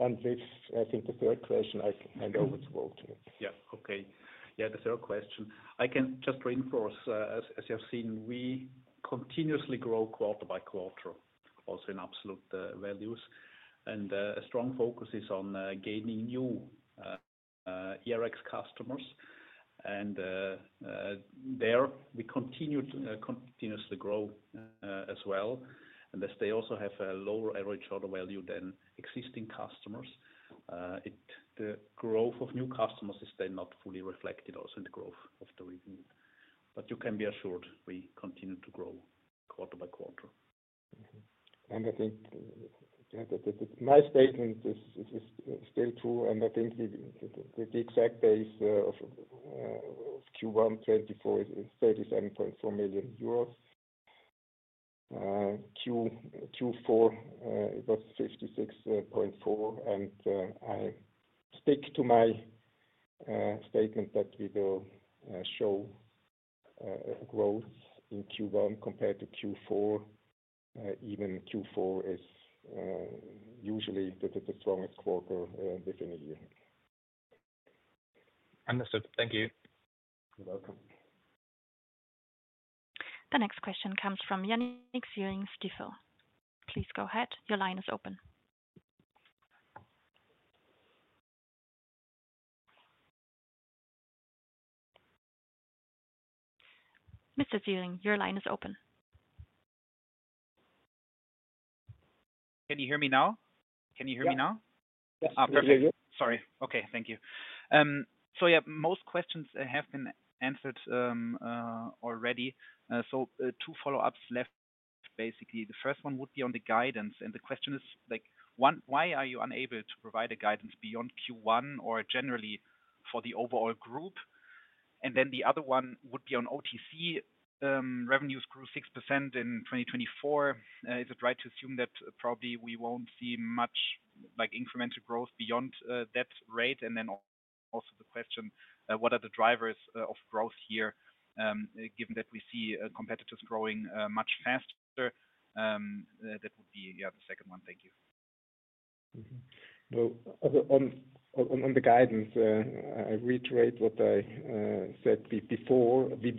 With, I think, the third question, I hand over to Walter. Yeah. Okay. Yeah, the third question. I can just reinforce, as you have seen, we continuously grow quarter by quarter, also in absolute values. A strong focus is on gaining new ERX customers. There we continue to continuously grow as well. As they also have a lower average order value than existing customers, the growth of new customers is then not fully reflected also in the growth of the revenue. You can be assured we continue to grow quarter-by-quarter. I think my statement is still true. I think the exact base of Q1 2024 is 37.4 million euros. Q4, it was 56.4 million. I stick to my statement that we will show growth in Q1 compared to Q4. Even Q4 is usually the strongest quarter within a year. Understood. Thank you. You're welcome. The next question comes from Jannik Züllig, Stifel. Please go ahead. Your line is open. Mr. Züllig, your line is open. Can you hear me now? Can you hear me now? Perfect. Sorry. Okay. Thank you. Yeah, most questions have been answered already. Two follow-ups left, basically. The first one would be on the guidance. The question is, why are you unable to provide a guidance beyond Q1 or generally for the overall group? The other one would be on OTC revenues grew 6% in 2024. Is it right to assume that probably we will not see much incremental growth beyond that rate? Also the question, what are the drivers of growth here given that we see competitors growing much faster? That would be the second one. Thank you. On the guidance, I reiterate what I said before. We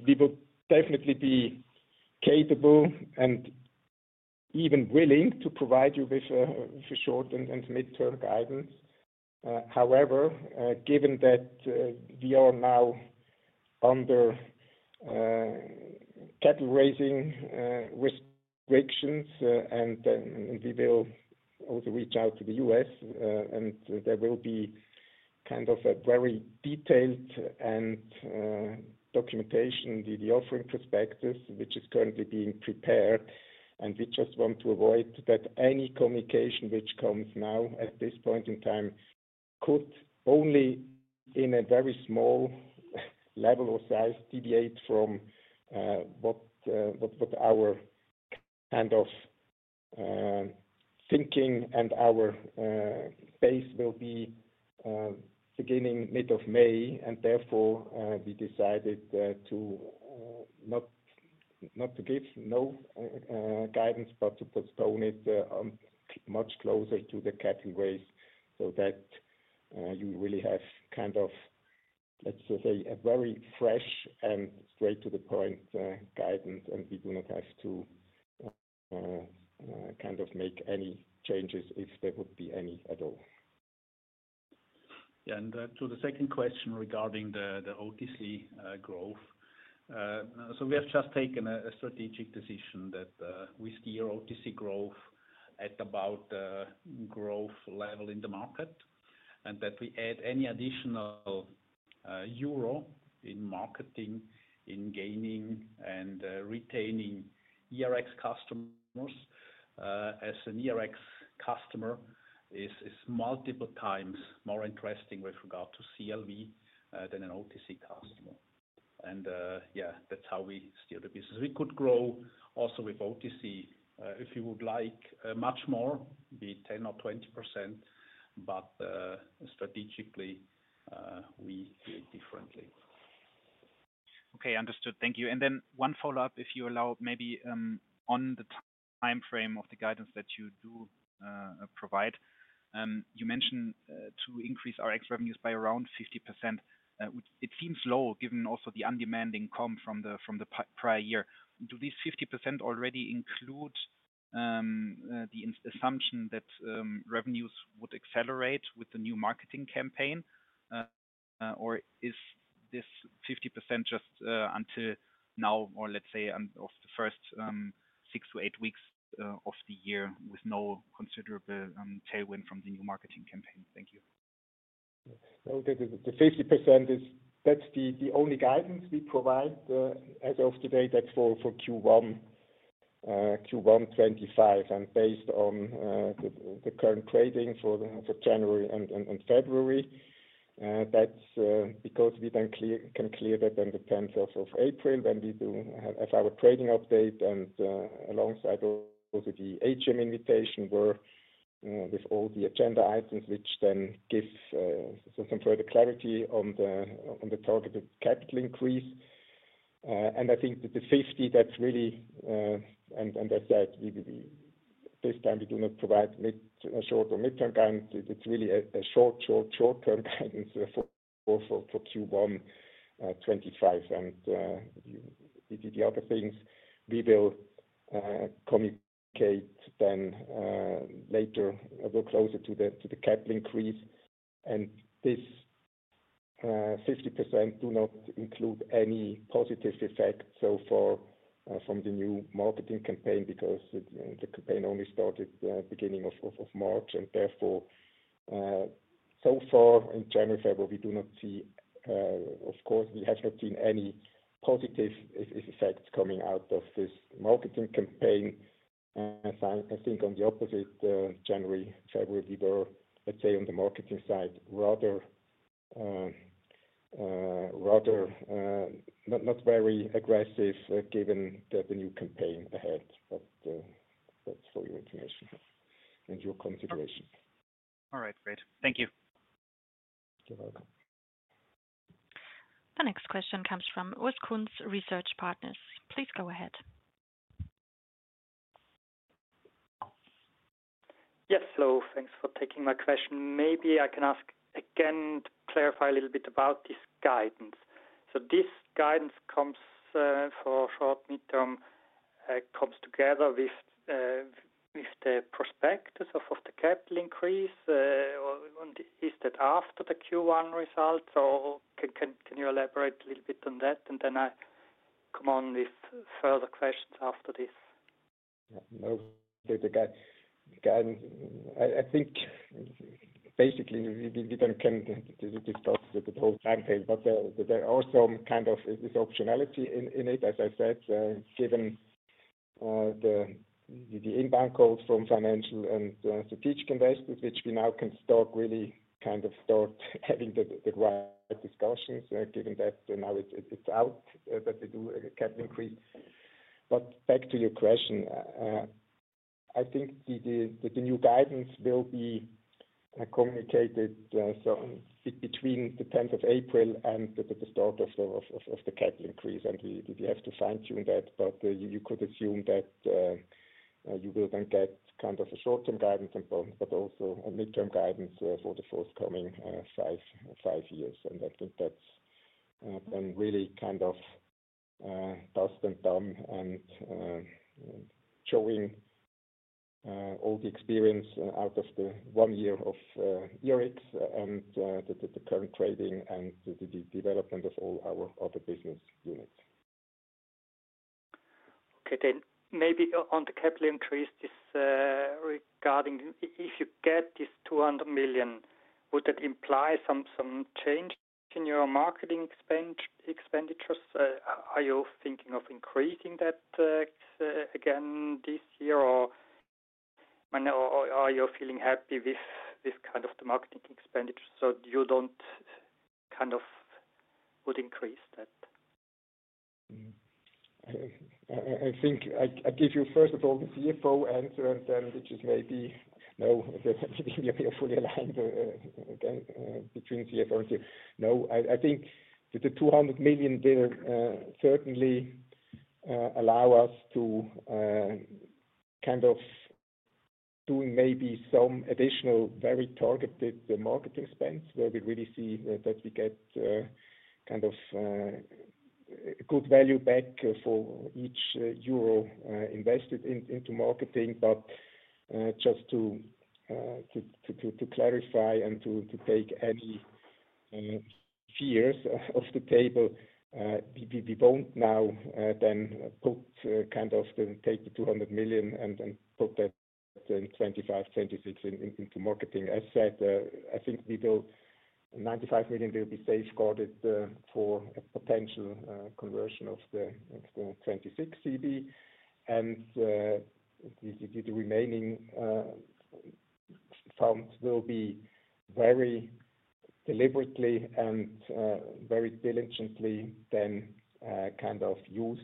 will definitely be capable and even willing to provide you with short and midterm guidance. However, given that we are now under capital raising restrictions, and we will also reach out to the US, and there will be kind of a very detailed documentation, the offering perspective, which is currently being prepared. We just want to avoid that any communication which comes now at this point in time could only in a very small level or size deviate from what our kind of thinking and our base will be beginning mid of May. Therefore, we decided to not give no guidance, but to postpone it much closer to the capital raise so that you really have kind of, let's say, a very fresh and straight to the point guidance, and we do not have to kind of make any changes if there would be any at all. Yeah. To the second question regarding the OTC growth. We have just taken a strategic decision that we steer OTC growth at about the growth level in the market, and that we add any additional euro in marketing, in gaining and retaining ERX customers. As an ERX customer, it is multiple times more interesting with regard to CLV than an OTC customer. Yeah, that is how we steer the business. We could grow also with OTC, if you would like, much more, be 10% or 20%, but strategically, we feel differently. Okay. Understood. Thank you. One follow-up, if you allow, maybe on the timeframe of the guidance that you do provide. You mentioned to increase RX revenues by around 50%. It seems low given also the undemanding comm from the prior year. Do these 50% already include the assumption that revenues would accelerate with the new marketing campaign, or is this 50% just until now, or let's say of the first six to eight weeks of the year with no considerable tailwind from the new marketing campaign? Thank you. The 50%, that's the only guidance we provide as of today. That's for Q1, Q1 2025, and based on the current trading for January and February. That's because we can clear that in the 10th of April when we do have our trading update. Alongside also the HM invitation were with all the agenda items which then give some further clarity on the targeted capital increase. I think the 50, that's really and as I said, this time we do not provide short or midterm guidance. It's really a short, short, short-term guidance for Q1 2025. The other things, we will communicate then later a little closer to the capital increase. This 50% does not include any positive effect so far from the new marketing campaign because the campaign only started at the beginning of March. Therefore, so far in January and February, we do not see, of course, we have not seen any positive effects coming out of this marketing campaign. I think on the opposite, January and February, we were, let's say, on the marketing side rather not very aggressive given the new campaign ahead. That is for your information and your consideration. All right. Great. Thank you. You're welcome. The next question comes from Urs Kunz, Research Partners. Please go ahead. Yes. Thanks for taking my question. Maybe I can ask again to clarify a little bit about this guidance. This guidance comes for short, midterm comes together with the prospectus of the capital increase. Is that after the Q1 results? Can you elaborate a little bit on that? I come on with further questions after this. Yeah. No big guide. I think basically we don't can discuss the whole timeframe, but there are some kind of optionality in it, as I said, given the inbound calls from financial and strategic investors, which we now can start really kind of start having the right discussions given that now it's out that we do a capital increase. Back to your question, I think the new guidance will be communicated between the 10th of April and the start of the capital increase. We have to fine-tune that. You could assume that you will then get kind of a short-term guidance, but also a midterm guidance for the forthcoming five years. I think that's then really kind of dust and done and showing all the experience out of the one year of ERX and the current trading and the development of all our other business units. Okay. Maybe on the capital increase regarding if you get this 200 million, would that imply some change in your marketing expenditures? Are you thinking of increasing that again this year, or are you feeling happy with this kind of the marketing expenditure so you don't kind of would increase that? I think I give you first of all the CFO answer, and then which is maybe no, we are fully aligned again between CFO and CFO. No. I think the 200 million will certainly allow us to kind of do maybe some additional very targeted marketing spends where we really see that we get kind of good value back for each euro invested into marketing. Just to clarify and to take any fears off the table, we won't now then put kind of the 200 million and put that in 2025, 2026 into marketing. As I said, I think 95 million will be safeguarded for a potential conversion of the 2026 CB. The remaining funds will be very deliberately and very diligently then kind of used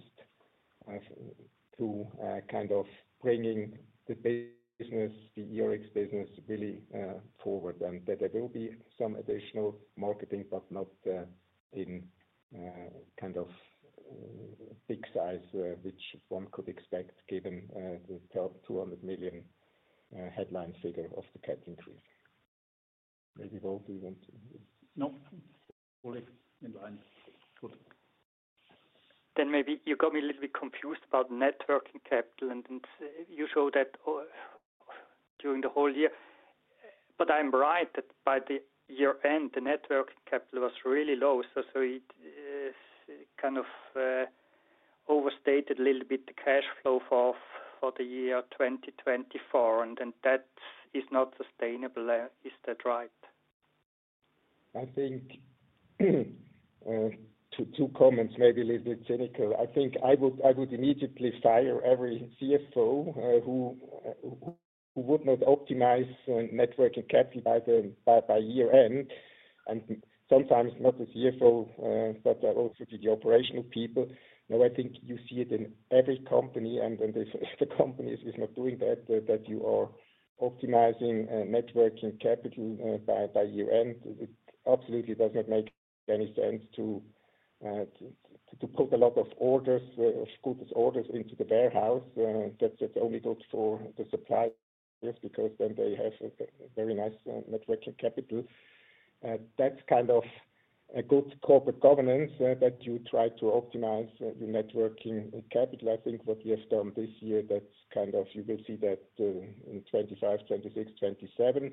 to kind of bringing the business, the ERX business really forward. There will be some additional marketing, but not in kind of big size which one could expect given the 200 million headline figure of the capital increase. Maybe Walter, you want to? No, fully in line. Good. Maybe you got me a little bit confused about networking capital. You showed that during the whole year. I am right that by the year end, the networking capital was really low. It kind of overstated a little bit the cash flow for the year 2024. That is not sustainable. Is that right? I think two comments, maybe a little bit cynical. I think I would immediately fire every CFO who would not optimize networking capital by year end. Sometimes not the CFO, but also the operational people. I think you see it in every company. If the company is not doing that, that you are optimizing networking capital by year end, it absolutely does not make any sense to put a lot of orders, good orders into the warehouse. That's only good for the suppliers because then they have very nice net working capital. That's kind of a good corporate governance that you try to optimize your net working capital. I think what we have done this year, that's kind of you will see that in 2025, 2026, 2027.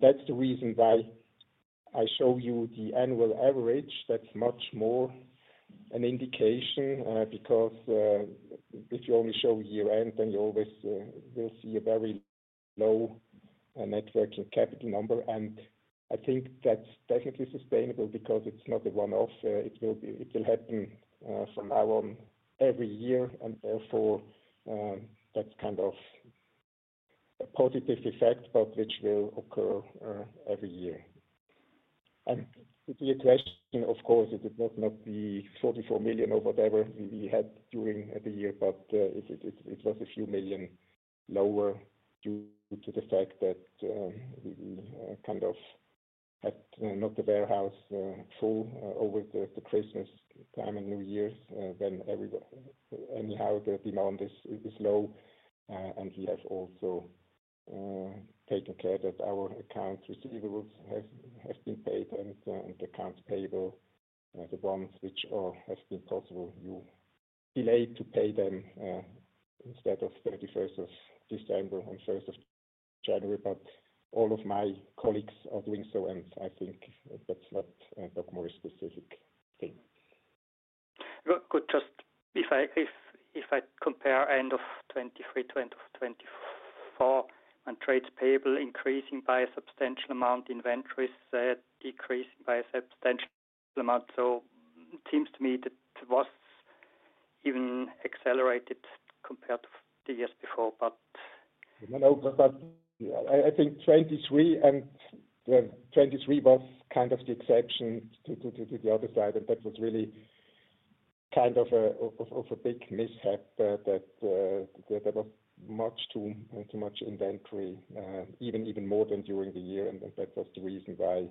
That's the reason why I show you the annual average. That's much more an indication because if you only show year end, you always will see a very low net working capital number. I think that's definitely sustainable because it's not a one-off. It will happen from now on every year. Therefore, that's kind of a positive effect, but which will occur every year. To your question, of course, it did not be 44 million or whatever we had during the year, but it was a few million lower due to the fact that we kind of had not the warehouse full over the Christmas time and New Year's when anyhow the demand is low. We have also taken care that our accounts receivables have been paid and the accounts payable, the ones which have been possible, you delayed to pay them instead of December 31 on January 1. All of my colleagues are doing so. I think that's not a more specific thing. Good. Just if I compare end of 2023 to end of 2024 and trades payable increasing by a substantial amount, inventories decreasing by a substantial amount. It seems to me that was even accelerated compared to the years before, but. I think 2023 and 2023 was kind of the exception to the other side. That was really kind of a big mishap that there was much too much inventory, even more than during the year. That was the reason why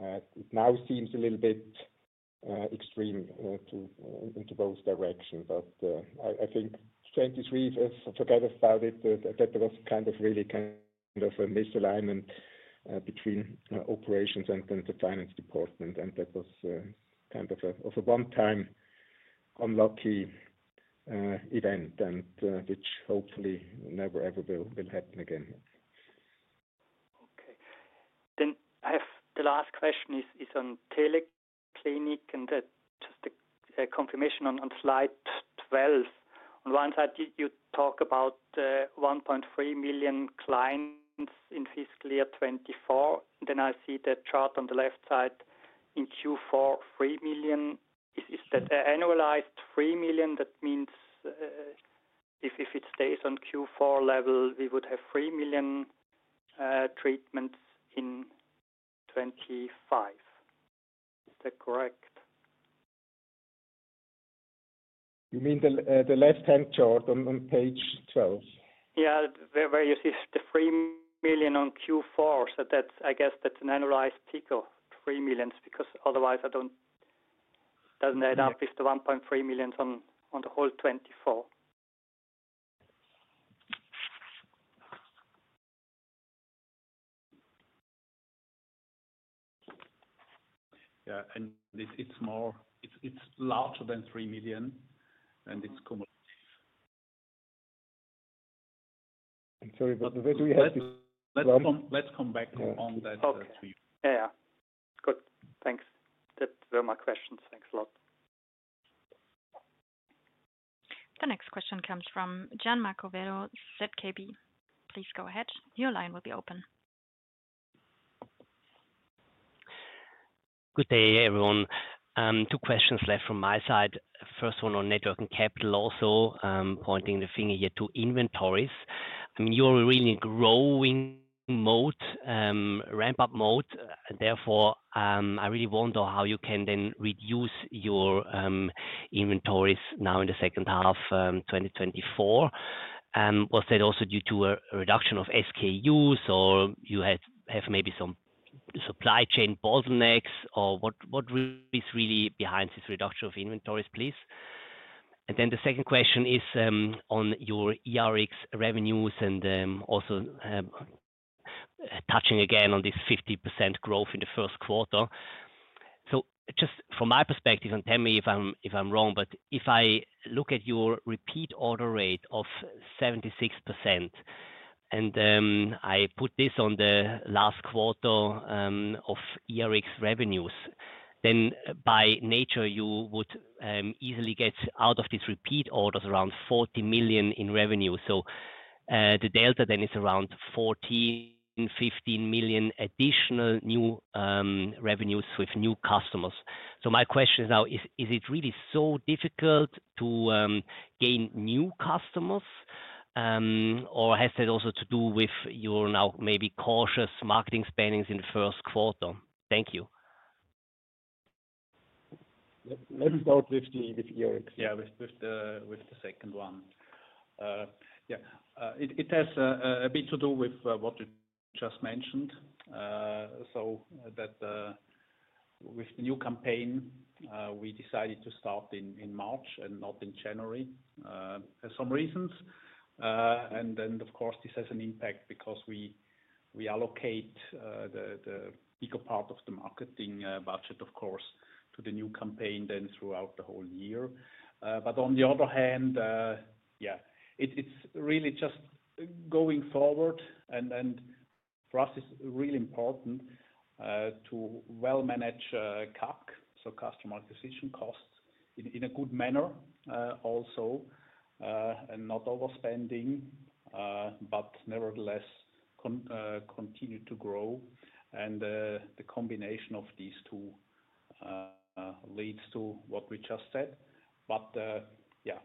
it now seems a little bit extreme into both directions. I think 2023, forget about it, that there was kind of really kind of a misalignment between operations and the finance department. That was kind of a one-time unlucky event, which hopefully never ever will happen again. Okay. The last question is on Teleclinic and just a confirmation on slide 12. On one side, you talk about 1.3 million clients in fiscal year 2024. I see the chart on the left side in Q4, 3 million. Is that annualized 3 million? That means if it stays on Q4 level, we would have 3 million treatments in 2025. Is that correct? You mean the left-hand chart on page 12? Yeah. Where you see the 3 million on Q4. I guess that's an annualized figure, 3 million, because otherwise it doesn't add up if the 1.3 million is on the whole 2024. Yeah. And it's larger than 3 million. And it's cumulative. I'm sorry, but do we have to? Let's come back on that. Yeah. Good. Thanks. That's all my questions. Thanks a lot. The next question comes from Gian Marco Werro, ZKB. Please go ahead. Your line will be open. Good day, everyone. Two questions left from my side. First one on networking capital also, pointing the finger here to inventories. I mean, you're really in growing mode, ramp-up mode. Therefore, I really wonder how you can then reduce your inventories now in the second half, 2024. Was that also due to a reduction of SKUs, or you have maybe some supply chain bottlenecks, or what is really behind this reduction of inventories, please? The second question is on your ERX revenues and also touching again on this 50% growth in the first quarter. Just from my perspective, and tell me if I'm wrong, but if I look at your repeat order rate of 76%, and I put this on the last quarter of ERX revenues, then by nature, you would easily get out of these repeat orders around 40 million in revenue. The delta then is around 14-15 million additional new revenues with new customers. My question now is, is it really so difficult to gain new customers, or has that also to do with your now maybe cautious marketing spendings in the first quarter? Thank you. Let's start with ERX. Yeah, with the second one. Yeah. It has a bit to do with what you just mentioned. With the new campaign, we decided to start in March and not in January for some reasons. Of course, this has an impact because we allocate the bigger part of the marketing budget to the new campaign then throughout the whole year. On the other hand, it's really just going forward. For us, it's really important to well manage CAC, so customer acquisition costs, in a good manner also, and not overspending, but nevertheless continue to grow. The combination of these two leads to what we just said. Yeah,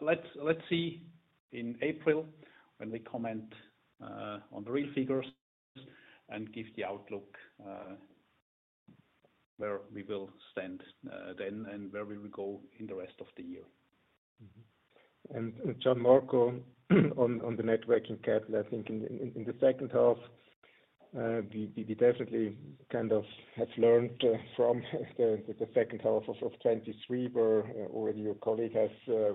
let's see in April when we comment on the real figures and give the outlook where we will stand then and where we will go in the rest of the year. Gian Marco, on the networking capital, I think in the second half, we definitely kind of have learned from the second half of 2023, where already your colleague has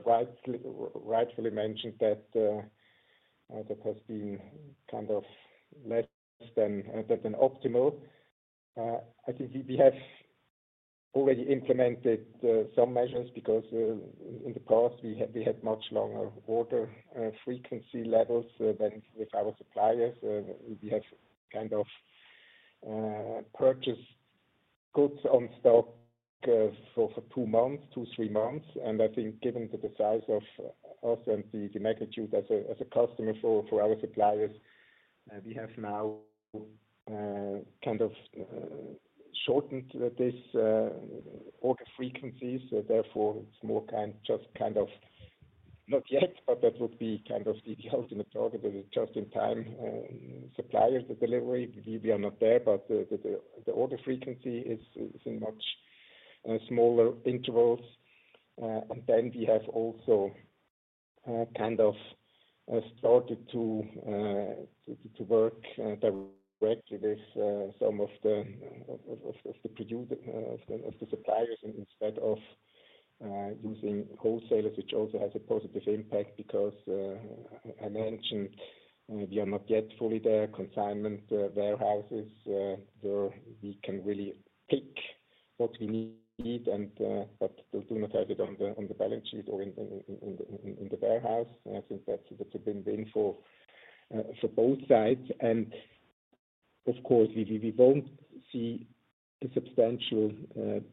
rightfully mentioned that that has been kind of less than optimal. I think we have already implemented some measures because in the past, we had much longer order frequency levels than with our suppliers. We have kind of purchased goods on stock for two months, two-three months. I think given the size of us and the magnitude as a customer for our suppliers, we have now kind of shortened these order frequencies. Therefore, it's more just kind of not yet, but that would be kind of the ultimate target, just in time, supplier delivery. We are not there, but the order frequency is in much smaller intervals. We have also kind of started to work directly with some of the suppliers instead of using wholesalers, which also has a positive impact because, I mentioned, we are not yet fully there. Consignment warehouses, where we can really pick what we need, but they do not have it on the balance sheet or in the warehouse. I think that's a win-win for both sides. Of course, we won't see a substantial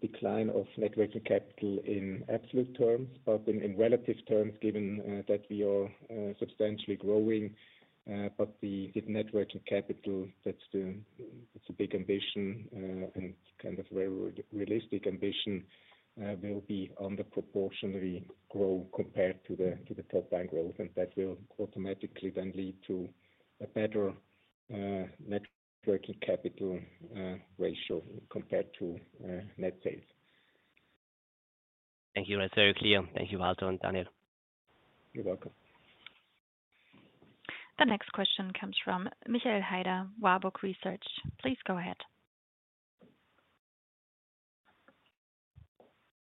decline of networking capital in absolute terms, but in relative terms, given that we are substantially growing. The networking capital, that's a big ambition and kind of realistic ambition, will be underproportionately grow compared to the top bank growth. That will automatically then lead to a better networking capital ratio compared to net sales. Thank you, Matteo. Clear. Thank you, Walter, and Daniel. You're welcome. The next question comes from Michael Heider, Warburg Research. Please go ahead.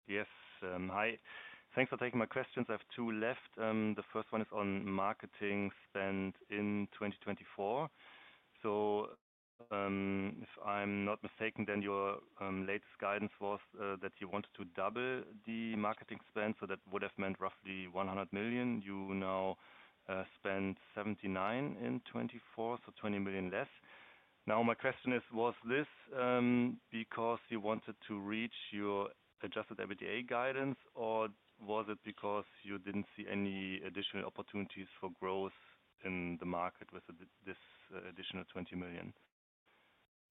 Yes. Hi. Thanks for taking my questions. I have two left. The first one is on marketing spend in 2024. If I'm not mistaken, then your latest guidance was that you wanted to double the marketing spend. That would have meant roughly 100 million. You now spend 79 million in 2024, so 20 million less. My question is, was this because you wanted to reach your adjusted EBITDA guidance, or was it because you did not see any additional opportunities for growth in the market with this additional 20 million?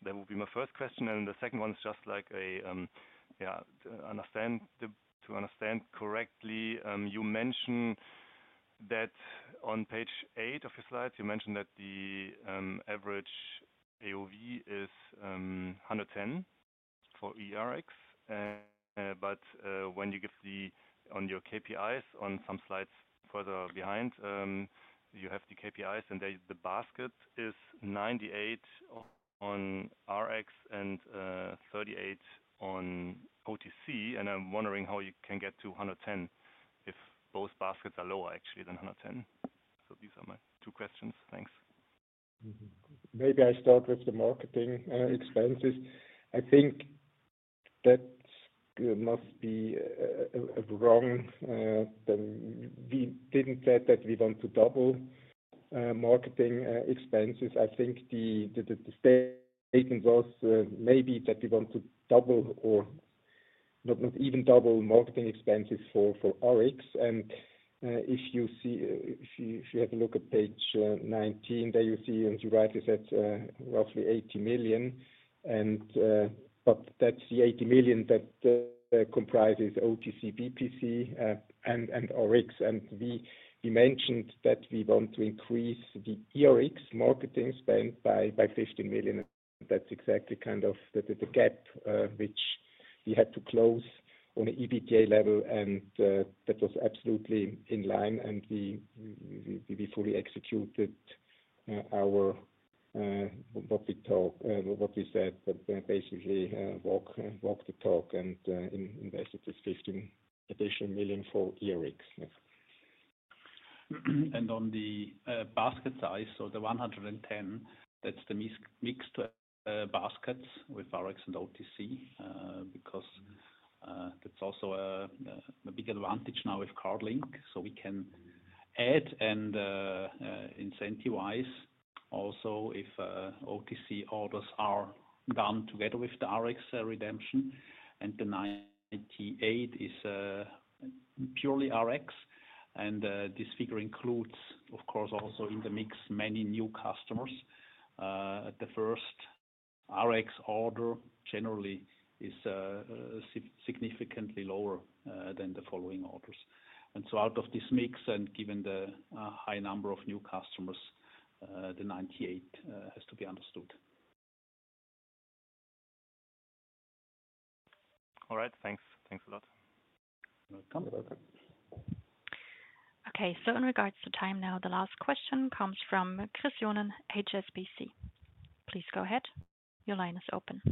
That would be my first question. The second one is just like a, yeah, to understand correctly, you mentioned that on page 8 of your slide, you mentioned that the average AOV is 110 for ERX. When you get on your KPIs on some slides further behind, you have the KPIs, and the basket is 98 on RX and 38 on OTC. I'm wondering how you can get to 110 if both baskets are lower actually than 110. These are my two questions. Thanks. Maybe I start with the marketing expenses. I think that must be wrong. We did not say that we want to double marketing expenses. I think the statement was maybe that we want to double or not even double marketing expenses for RX. If you have a look at page 19, there you see, as you rightly said, roughly 80 million. That is the 80 million that comprises OTC, BPC, and RX. We mentioned that we want to increase the ERX marketing spend by 15 million. That is exactly kind of the gap which we had to close on an EBITDA level. That was absolutely in line. We fully executed what we said, basically walk the talk and invested this 15 additional million for ERX. On the basket size, the 110, that is the mixed baskets with RX and OTC because that is also a big advantage now with CardLink. We can add and incentivize also if OTC orders are done together with the RX redemption. The 98 is purely RX. This figure includes, of course, also in the mix, many new customers. The first RX order generally is significantly lower than the following orders. Out of this mix, and given the high number of new customers, the 98 has to be understood. All right. Thanks. Thanks a lot. You're welcome. Okay. In regards to time now, the last question comes from Chris Jones, HSBC. Please go ahead. Your line is open.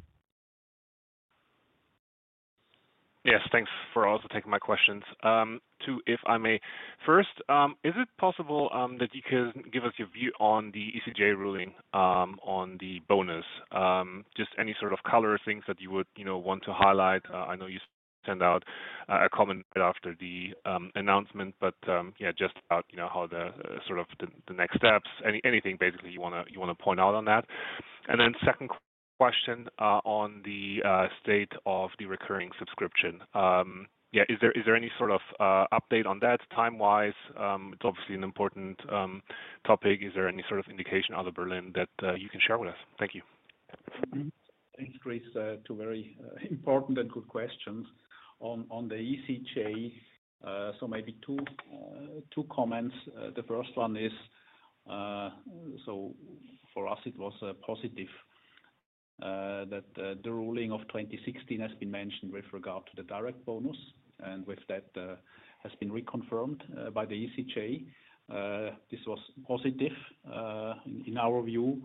Yes. Thanks for also taking my questions. Two, if I may. First, is it possible that you can give us your view on the ECJ ruling on the bonus? Just any sort of color, things that you would want to highlight. I know you sent out a comment right after the announcement, but yeah, just about how the sort of the next steps, anything basically you want to point out on that. And then second question on the state of the recurring subscription. Yeah. Is there any sort of update on that time-wise? It's obviously an important topic. Is there any sort of indication out of Berlin that you can share with us? Thank you. Thanks, Chris. Two very important and good questions on the ECJ. Maybe two comments. The first one is, for us, it was positive that the ruling of 2016 has been mentioned with regard to the direct bonus. With that, it has been reconfirmed by the ECJ. This was positive in our view.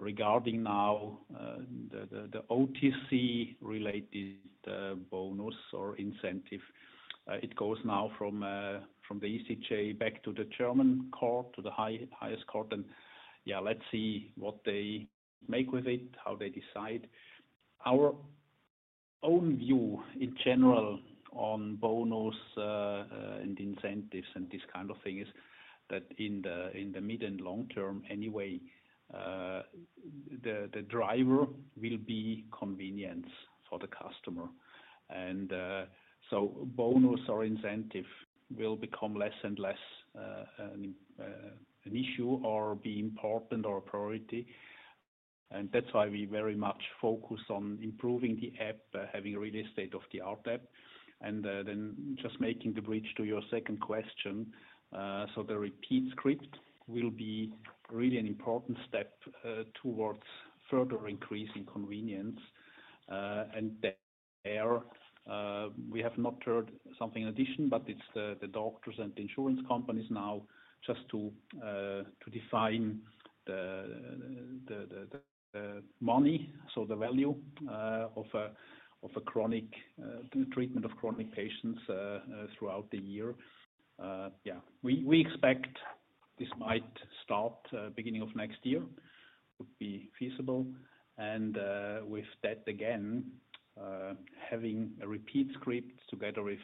Regarding now the OTC-related bonus or incentive, it goes now from the ECJ back to the German court, to the highest court. Let's see what they make with it, how they decide. Our own view in general on bonus and incentives and this kind of thing is that in the mid and long term anyway, the driver will be convenience for the customer. Bonus or incentive will become less and less an issue or be important or a priority. That is why we very much focus on improving the app, having a really state-of-the-art app. Just making the bridge to your second question, the repeat script will be really an important step towards further increasing convenience. There we have not heard something in addition, but it is the doctors and insurance companies now just to define the money, so the value of a treatment of chronic patients throughout the year. Yeah. We expect this might start beginning of next year, would be feasible. With that, again, having a repeat script together with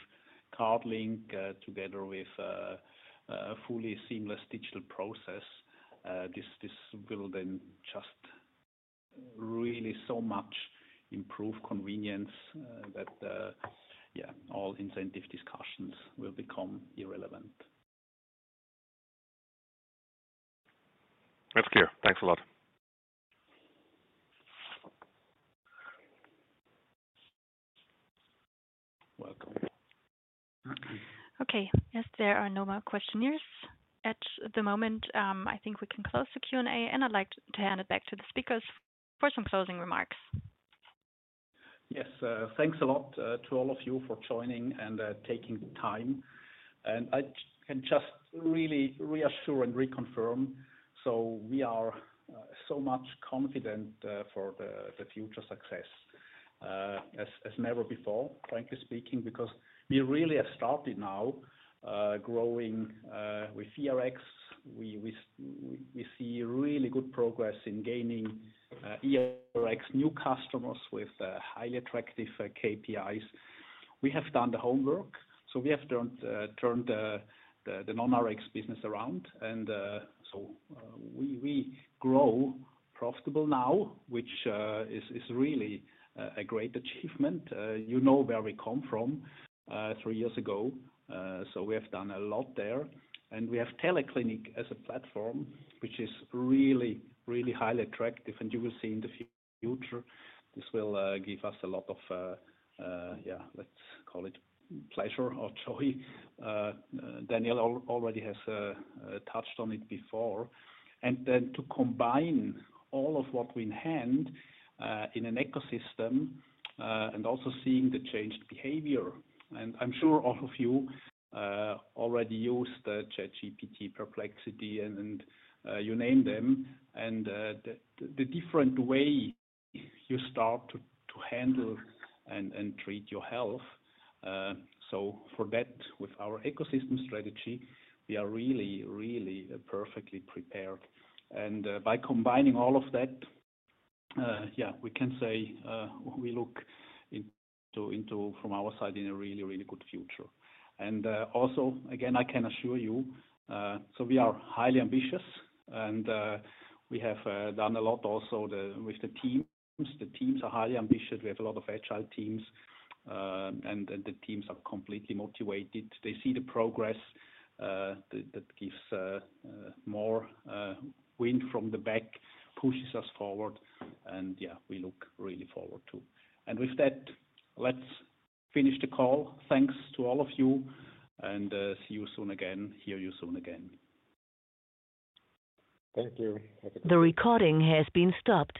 CardLink, together with a fully seamless digital process, this will then just really so much improve convenience that, yeah, all incentive discussions will become irrelevant. That is clear. Thanks a lot. Welcome. Okay. Yes, there are no more questionnaires at the moment. I think we can close the Q&A, and I'd like to hand it back to the speakers for some closing remarks. Yes. Thanks a lot to all of you for joining and taking time. I can just really reassure and reconfirm. We are so much confident for the future success as never before, frankly speaking, because we really have started now growing with ERX. We see really good progress in gaining ERX new customers with highly attractive KPIs. We have done the homework. We have turned the non-Rx business around. We grow profitable now, which is really a great achievement. You know where we come from three years ago. We have done a lot there. We have Teleclinic as a platform, which is really, really highly attractive. You will see in the future, this will give us a lot of, yeah, let's call it pleasure or joy. Daniel already has touched on it before. To combine all of what we in hand in an ecosystem and also seeing the changed behavior. I am sure all of you already used ChatGPT, Perplexity, and you name them. The different way you start to handle and treat your health. For that, with our ecosystem strategy, we are really, really perfectly prepared. By combining all of that, yeah, we can say we look from our side in a really, really good future. Also, again, I can assure you, we are highly ambitious. We have done a lot also with the teams. The teams are highly ambitious. We have a lot of agile teams. The teams are completely motivated. They see the progress that gives more wind from the back, pushes us forward. Yeah, we look really forward to. With that, let's finish the call. Thanks to all of you. See you soon again. Hear you soon again. Thank you. The recording has been stopped.